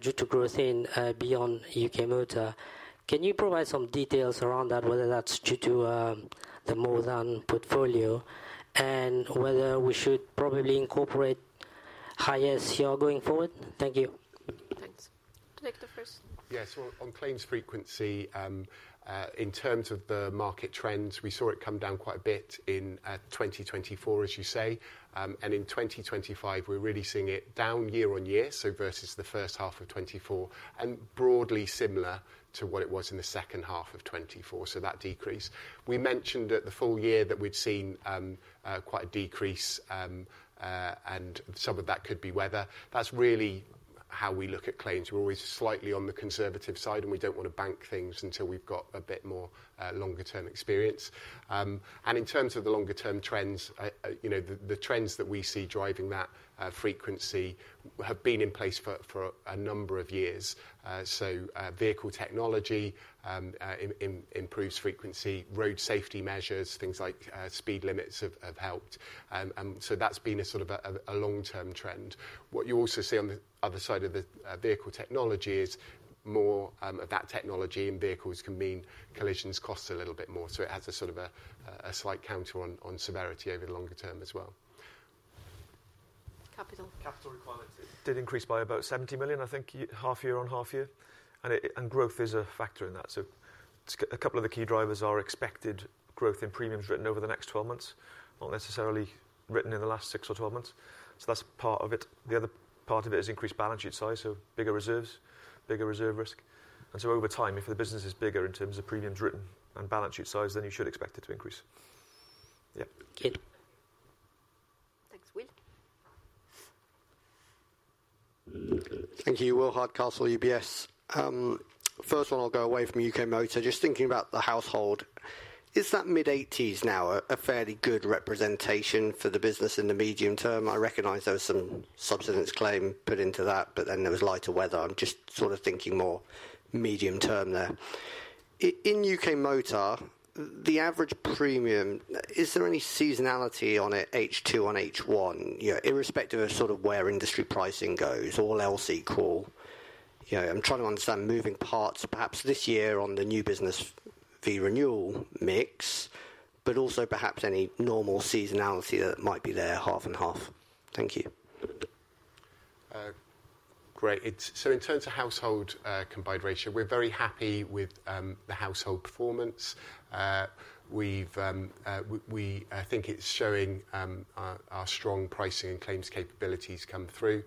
due to growth in beyond U.K. Motor Insurance. Can you provide some details around that, whether that's due to the More Th>n portfolio and whether we should probably incorporate higher combined ratio going forward? Thank you. Thanks. Do you like the first? Yeah, on claims frequency, in terms of the market trends, we saw it come down quite a bit in 2024, as you say. In 2025, we're really seeing it down year-on-year, so versus the first half of 2024, and broadly similar to what it was in the second half of 2024. That decrease, we mentioned at the full year that we'd seen quite a decrease, and some of that could be weather. That's really how we look at claims. We're always slightly on the conservative side, and we don't want to bank things until we've got a bit more longer-term experience. In terms of the longer-term trends, the trends that we see driving that frequency have been in place for a number of years. Vehicle technology improves frequency, road safety measures, things like speed limits have helped. That's been a sort of a long-term trend. What you also see on the other side of the vehicle technology is more of that technology in vehicles can mean collisions cost a little bit more. It has a sort of a slight counter on severity over the longer term as well. Capital. Capital requirements. It did increase by about 70 million, I think, half year on half year. Growth is a factor in that. A couple of the key drivers are expected growth in premiums written over the next 12 months, not necessarily written in the last 6 or 12 months. That's part of it. The other part of it is increased balance sheet size, so bigger reserves, bigger reserve risk. Over time, if the business is bigger in terms of premiums written and balance sheet size, then you should expect it to increase. Yeah. Thanks. Will. Thank you, Will Hardcastle, UBS. First one, I'll go away from U.K. Motor Insurance. Just thinking about the U.K. Household Insurance, is that mid-80% now a fairly good representation for the business in the medium term? I recognize there was some subsidence claim put into that, but then there was lighter weather. I'm just sort of thinking more medium term there. In U.K. Motor Insurance, the average premium, is there any seasonality on it, H2 on H1? Irrespective of sort of where industry pricing goes, all else equal. I'm trying to understand moving parts, perhaps this year on the new business versus renewal mix, but also perhaps any normal seasonality that might be there, half and half. Thank you. Great. In terms of household combined ratio, we're very happy with the household performance. We think it's showing our strong pricing and claims capabilities come through.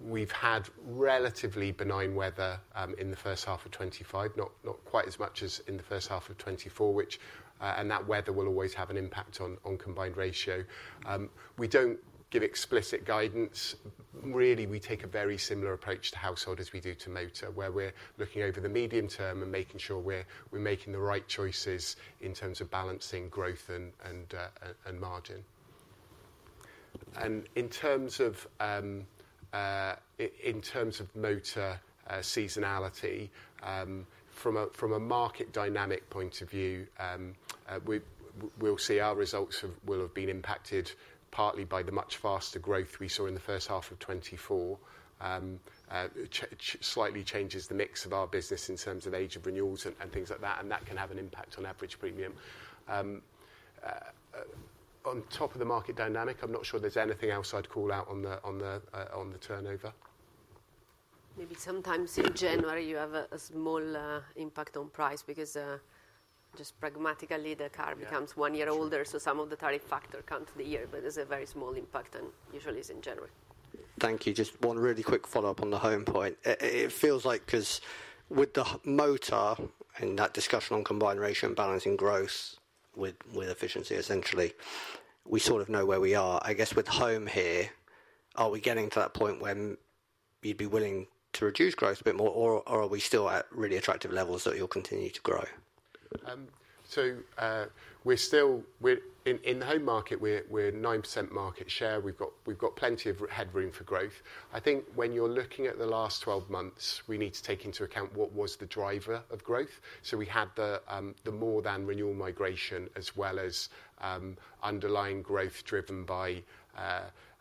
We've had relatively benign weather in the first half of 2025, not quite as much as in the first half of 2024, and that weather will always have an impact on combined ratio. We don't give explicit guidance. Really, we take a very similar approach to household as we do to motor, where we're looking over the medium term and making sure we're making the right choices in terms of balancing growth and margin. In terms of motor seasonality, from a market dynamic point of view, we'll see our results will have been impacted partly by the much faster growth we saw in the first half of 2024. It slightly changes the mix of our business in terms of age of renewals and things like that, and that can have an impact on average premium. On top of the market dynamic, I'm not sure there's anything else I'd call out on the turnover. Maybe sometimes in January, you have a small impact on price because just pragmatically, the car becomes one year older. Some of the tariff factors come to the year, but there's a very small impact and usually it's in January. Thank you. Just one really quick follow-up on the home point. It feels like because with the motor in that discussion on combined ratio and balancing growth with efficiency, essentially, we sort of know where we are. I guess with home here, are we getting to that point where you'd be willing to reduce growth a bit more, or are we still at really attractive levels that you'll continue to grow? We're still in the home market. We're at 9% market share. We've got plenty of headroom for growth. I think when you're looking at the last 12 months, we need to take into account what was the driver of growth. We had the More Th>n renewal migration as well as underlying growth driven by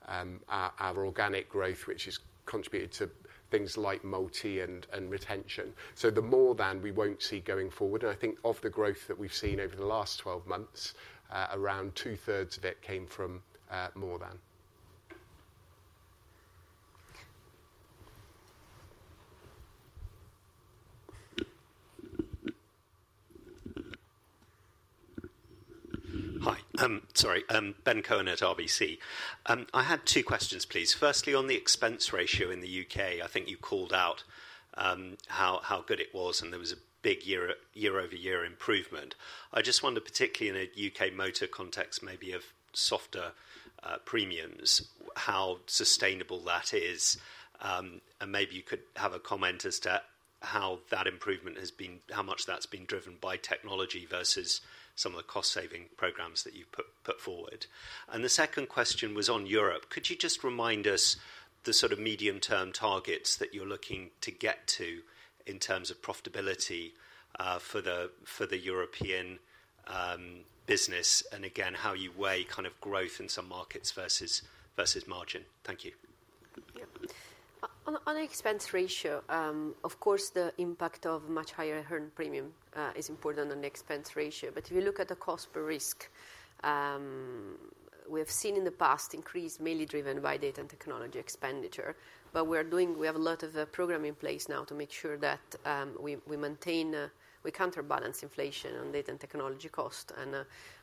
our organic growth, which has contributed to things like multi and retention. The More Th>n we won't see going forward. I think of the growth that we've seen over the last 12 months, around two-thirds of it came from More Th>n. Hi. Sorry. Ben Cohen at RBC. I had two questions, please. Firstly, on the expense ratio in the U.K., I think you called out how good it was and there was a big year-over-year improvement. I just wonder, particularly in a U.K. motor context, maybe of softer premiums, how sustainable that is, and maybe you could have a comment as to how that improvement has been, how much that's been driven by technology versus some of the cost-saving programs that you've put forward. The second question was on Europe. Could you just remind us the sort of medium-term targets that you're looking to get to in terms of profitability for the European business and again, how you weigh kind of growth in some markets versus margin? Thank you. Yeah. On the expense ratio, of course, the impact of much higher earned premium is important on the expense ratio. If you look at the cost per risk, we have seen in the past increase mainly driven by data and technology expenditure. We have a lot of program in place now to make sure that we counterbalance inflation on data and technology costs, and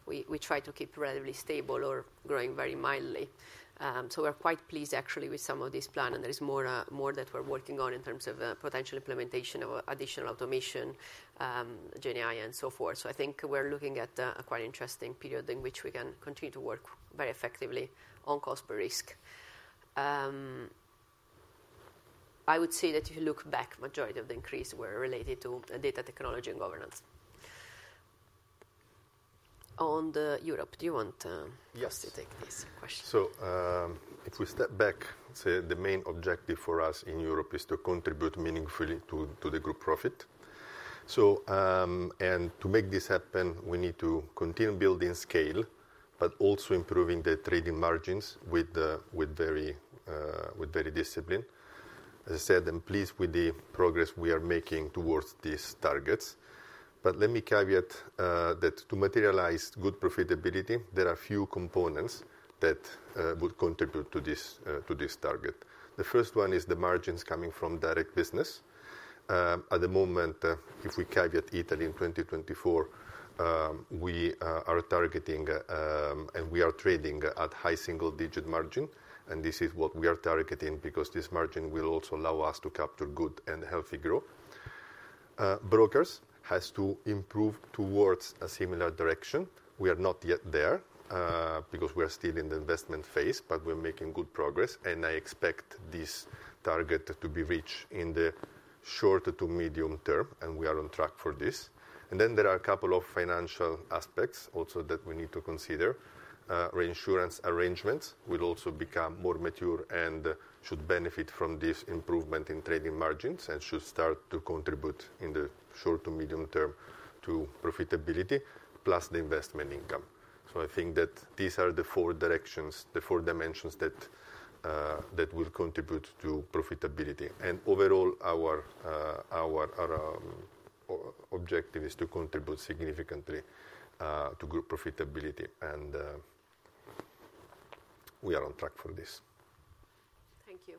we try to keep it relatively stable or growing very mildly. We're quite pleased, actually, with some of this plan, and there's more that we're working on in terms of potential implementation of additional automation and so forth. I think we're looking at a quite interesting period in which we can continue to work very effectively on cost per risk. I would say that if you look back, the majority of the increase were related to data technology and governance. On Europe, do you want us to take this question? If we step back, let's say the main objective for us in Europe is to contribute meaningfully to the group profit. To make this happen, we need to continue building scale, but also improving the trading margins with very discipline. As I said, I'm pleased with the progress we are making towards these targets. Let me caveat that to materialize good profitability, there are a few components that would contribute to this target. The first one is the margins coming from direct business. At the moment, if we caveat Italy in 2024, we are targeting and we are trading at high single-digit margin. This is what we are targeting because this margin will also allow us to capture good and healthy growth. Brokers have to improve towards a similar direction. We are not yet there because we are still in the investment phase, but we're making good progress. I expect this target to be reached in the short to medium term, and we are on track for this. There are a couple of financial aspects also that we need to consider. Reinsurance arrangements will also become more mature and should benefit from this improvement in trading margins and should start to contribute in the short to medium term to profitability, plus the investment income. I think that these are the four directions, the four dimensions that will contribute to profitability. Overall, our objective is to contribute significantly to group profitability, and we are on track for this. Thank you.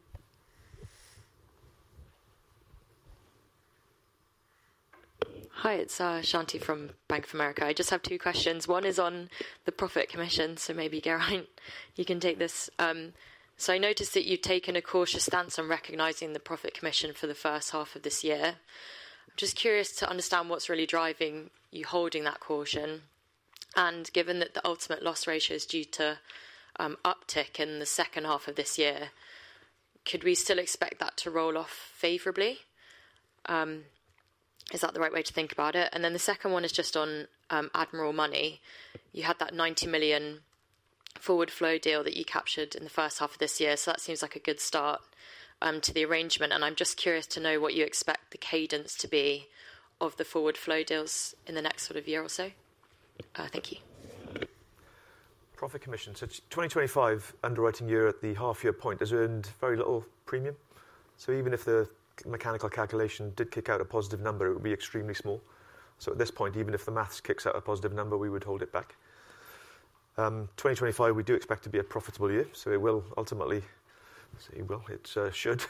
Hi, it's Shanti from BofA Securities. I just have two questions. One is on the profit commission, so maybe Geraint, you can take this. I noticed that you've taken a cautious stance on recognizing the profit commission for the first half of this year. I'm just curious to understand what's really driving you holding that caution. Given that the ultimate loss ratio is due to uptick in the second half of this year, could we still expect that to roll off favorably? Is that the right way to think about it? The second one is just on Admiral Money. You had that 90 million forward flow deal that you captured in the first half of this year. That seems like a good start to the arrangement. I'm just curious to know what you expect the cadence to be of the forward flow deals in the next sort of year or so. Thank you. Profit commission. The 2025 underwriting year at the half-year point has earned very little premium. Even if the mechanical calculation did kick out a positive number, it would be extremely small. At this point, even if the maths kicks out a positive number, we would hold it back. 2025, we do expect to be a profitable year. It should,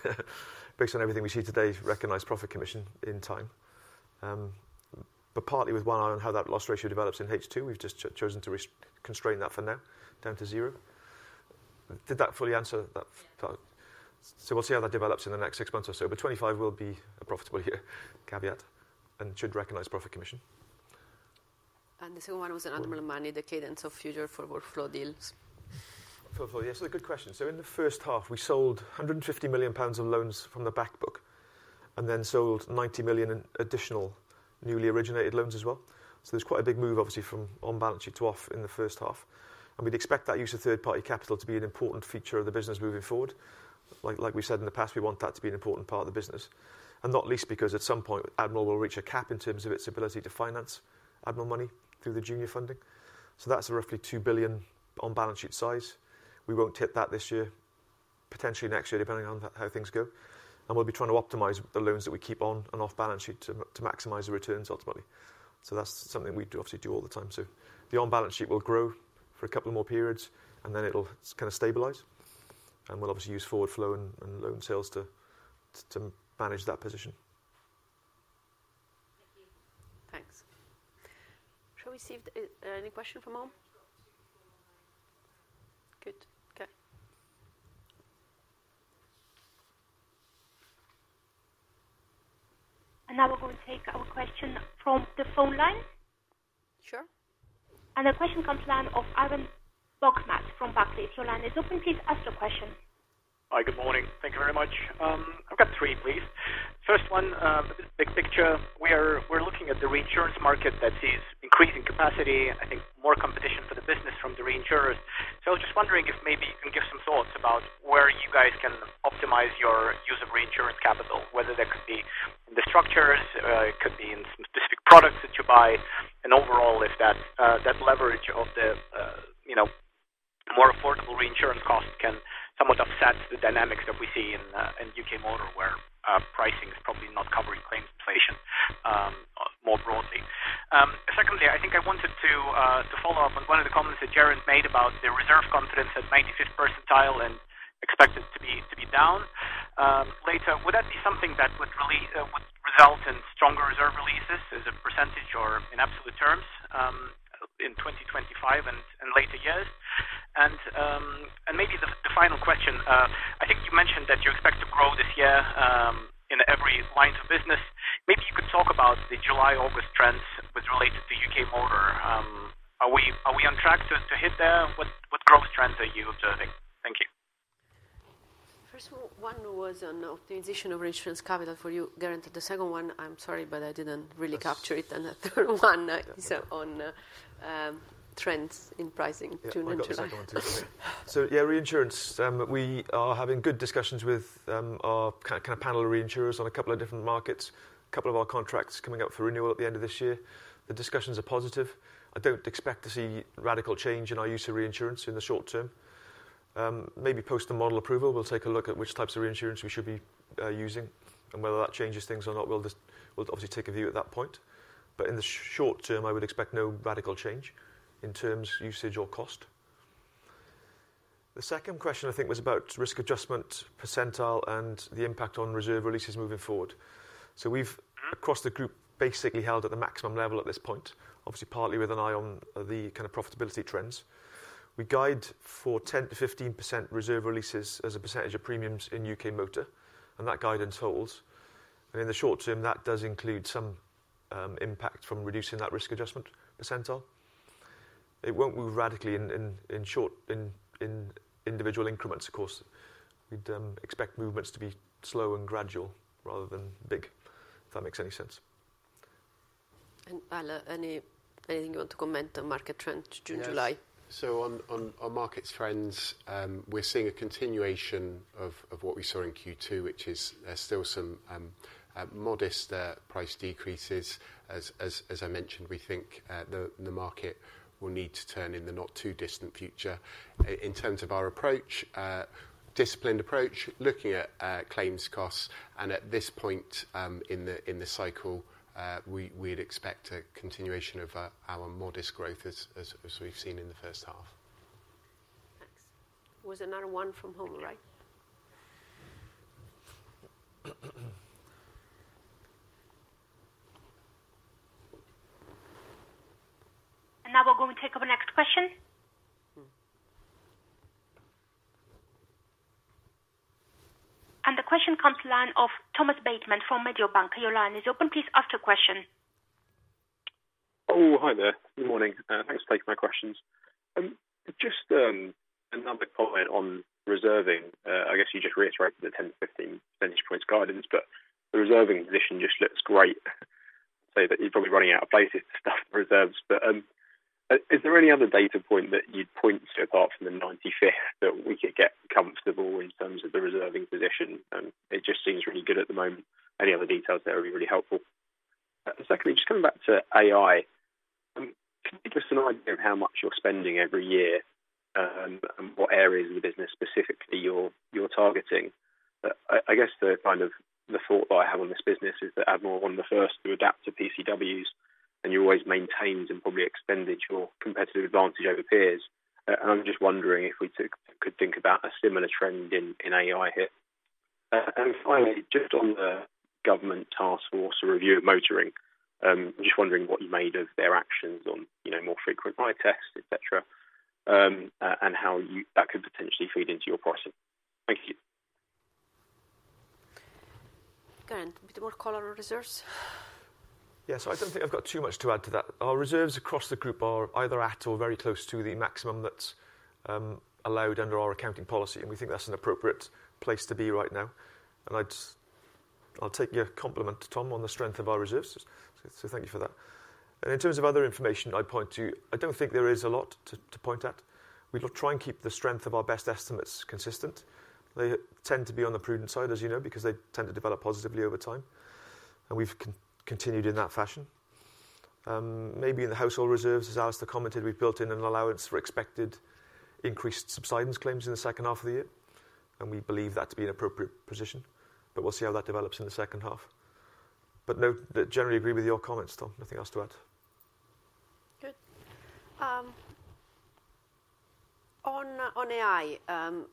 based on everything we see today, recognize profit commission in time. Partly with one eye on how that loss ratio develops in H2, we've just chosen to constrain that for now down to zero. Did that fully answer that? We'll see how that develops in the next six months or so. 2025 will be a profitable year, caveat, and should recognize profit commission. The second one was on Admiral Money, the cadence of future forward flow deals. Forward flow. Yes, it's a good question. In the first half, we sold 150 million pounds of loans from the backbook and then sold 90 million in additional newly originated loans as well. There's quite a big move, obviously, from on-balance sheet to off in the first half. We'd expect that use of third-party capital to be an important feature of the business moving forward. Like we said in the past, we want that to be an important part of the business, not least because at some point, Admiral will reach a cap in terms of its ability to finance Admiral Money through the junior funding. That's roughly 2 billion on-balance sheet size. We won't hit that this year, potentially next year, depending on how things go. We'll be trying to optimize the loans that we keep on and off-balance sheet to maximize the returns ultimately. That's something we obviously do all the time. The on-balance sheet will grow for a couple more periods, and then it'll kind of stabilize. We'll obviously use forward flow and loan sales to manage that position. Thanks. Shall we see if any questions from on? Good. Okay. We are going to take our question from the phone line. Sure. The question comes to the line of Ivan Bokhmat from Barclays. Lane, is it open to ask your question? Hi, good morning. Thank you very much. I've got three, please. First one, big picture. We're looking at the reinsurance market that sees increasing capacity. I think more competition for the business from the reinsurers. I was just wondering if maybe you can give some thoughts about where you guys can optimize your use of reinsurance capital, whether that could be in the structures, it could be in some specific products that you buy, and overall if that leverage of the more affordable reinsurance cost can somewhat upset the dynamics that we see in U.K. Motor where pricing is probably not covering claims inflation more broadly. Secondly, I think I wanted to follow up on one of the comments that Geraint made about the reserve confidence at 95th percentile and expect it to be down later. Would that be something that would result in stronger reserve releases as a percentage or in absolute terms in 2025 and later years? Maybe the final question, I think you mentioned that you expect to grow this year in every line of business. Maybe you could talk about the July-August trends related to U.K. Motor. Are we on track to hit there? What growth trends are you observing? Thank you. First of all, one was an optimization of reinsurance capital for you, Geraint. The second one, I'm sorry, but I didn't really capture it. The third one is on trends in pricing June and July. Yeah, reinsurance. We are having good discussions with our kind of panel of reinsurers on a couple of different markets. A couple of our contracts are coming up for renewal at the end of this year. The discussions are positive. I don't expect to see radical change in our use of reinsurance in the short term. Maybe post the model approval, we'll take a look at which types of reinsurance we should be using and whether that changes things or not. We'll obviously take a view at that point. In the short term, I would expect no radical change in terms, usage, or cost. The second question, I think, was about risk adjustment percentile and the impact on reserve releases moving forward. Across the group, we've basically held at the maximum level at this point, obviously partly with an eye on the kind of profitability trends. We guide for 10%-15% reserve releases as a percentage of premiums in U.K. Motor, and that guidance holds. In the short term, that does include some impact from reducing that risk adjustment percentile. It won't move radically in individual increments, of course. We'd expect movements to be slow and gradual rather than big, if that makes any sense. Al, anything you want to comment on market trends June-July? On market trends, we're seeing a continuation of what we saw in Q2, which is there's still some modest price decreases. As I mentioned, we think the market will need to turn in the not-too-distant future. In terms of our approach, disciplined approach, looking at claims costs, and at this point in the cycle, we'd expect a continuation of our modest growth as we've seen in the first half. Thanks. Was another one from home, right? We are going to take up the next question. The question comes to you from Thomas Bateman from Mediobanca. Your line is open. Please ask your question. Oh, hi there. Good morning. Thanks for taking my questions. Just another comment on reserving. I guess you just reiterated the 10%-15% guidance, but the reserving position just looks great. That you're probably running out of places to stuff the reserves. Is there any other data point that you'd point to apart from the 95th that we could get comfortable in terms of the reserving position? It just seems really good at the moment. Any other details there would be really helpful. Secondly, just coming back to AI, can you give us an idea of how much you're spending every year and what areas of the business specifically you're targeting? I guess the kind of thought that I have on this business is that Admiral was one of the first to adapt to PCWs and you always maintained and probably extended your competitive advantage over peers. I'm just wondering if we could think about a similar trend in AI here. Finally, just on the government task force or review of motoring, I'm just wondering what you made of their actions on more frequent eye tests, etc., and how that could potentially feed into your price. Thank you. Go ahead. A bit more color on reserves. Yeah, I don't think I've got too much to add to that. Our reserves across the group are either at or very close to the maximum. That's allowed under our accounting policy, and we think that's an appropriate place to be right now. I'll take your compliment, Tom, on the strength of our reserves, so thank you for that. In terms of other information I'd point to, I don't think there is a lot to point at. We try and keep the strength of our best estimates consistent. They tend to be on the prudent side, as you know, because they tend to develop positively over time, and we've continued in that fashion. Maybe in the household reserves, as Alistair commented, we built in an allowance for expected increased subsidence claims in the second half of the year, and we believe that to be an appropriate position. We'll see how that develops in the second half. I generally agree with your comments, Tom. Nothing else to add. Good. On AI,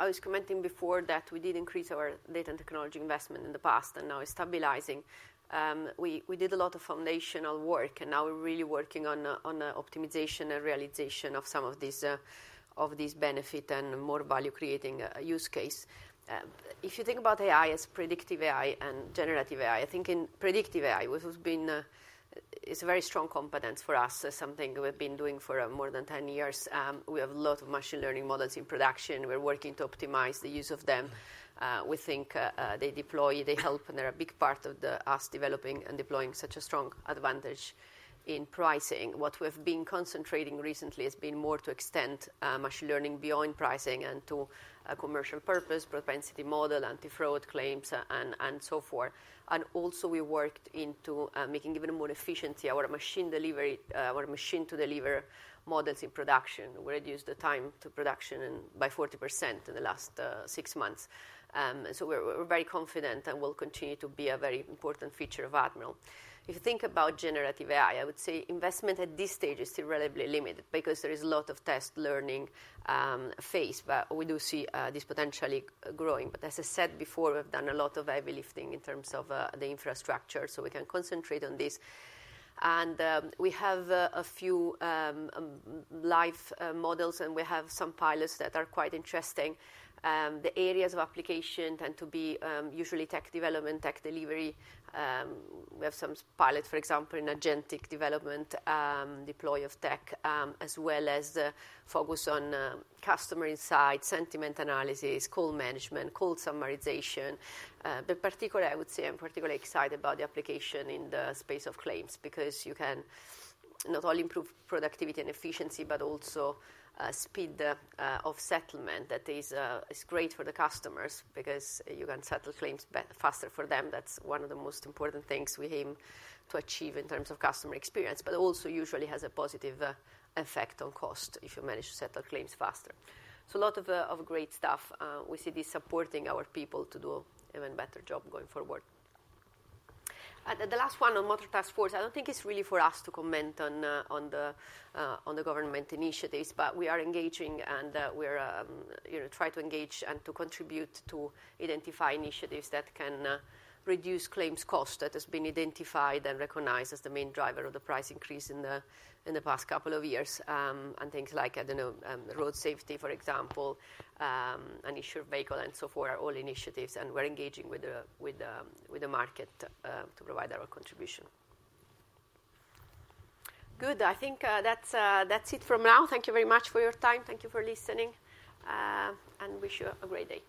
I was commenting before that we did increase our data and technology investment in the past, and now it's stabilizing. We did a lot of foundational work, and now we're really working on optimization and realization of some of these benefits and more value-creating use cases. If you think about AI as predictive AI and generative AI, I think in predictive AI, it's a very strong competence for us, something we've been doing for More Th>n 10 years. We have a lot of machine learning models in production. We're working to optimize the use of them. We think they deploy, they help, and they're a big part of us developing and deploying such a strong advantage in pricing. What we've been concentrating recently has been more to extend machine learning beyond pricing and to a commercial purpose, propensity model, anti-fraud claims, and so forth. We worked into making even more efficient our machine to deliver models in production. We reduced the time to production by 40% in the last six months. We're very confident and will continue to be a very important feature of Admiral. If you think about generative AI, I would say investment at this stage is still relatively limited because there is a lot of test learning phase, but we do see this potentially growing. As I said before, we've done a lot of heavy lifting in terms of the infrastructure so we can concentrate on this. We have a few live models, and we have some pilots that are quite interesting. The areas of application tend to be usually tech development, tech delivery. We have some pilots, for example, in agentic development, deploy of tech, as well as the focus on customer insights, sentiment analysis, call management, call summarization. I would say I'm particularly excited about the application in the space of claims because you can not only improve productivity and efficiency, but also speed of settlement. That is great for the customers because you can settle claims faster for them. That's one of the most important things we aim to achieve in terms of customer experience, and it usually has a positive effect on cost if you manage to settle claims faster. A lot of great stuff. We see this supporting our people to do an even better job going forward. The last one on multi-task force, I don't think it's really for us to comment on the government initiatives, but we are engaging and we try to engage and to contribute to identify initiatives that can reduce claims costs that have been identified and recognized as the main driver of the price increase in the past couple of years. Things like, I don't know, road safety, for example, uninsured vehicle, and so forth, are all initiatives. We're engaging with the market to provide our contribution. Good. I think that's it for now. Thank you very much for your time. Thank you for listening. Wish you a great day.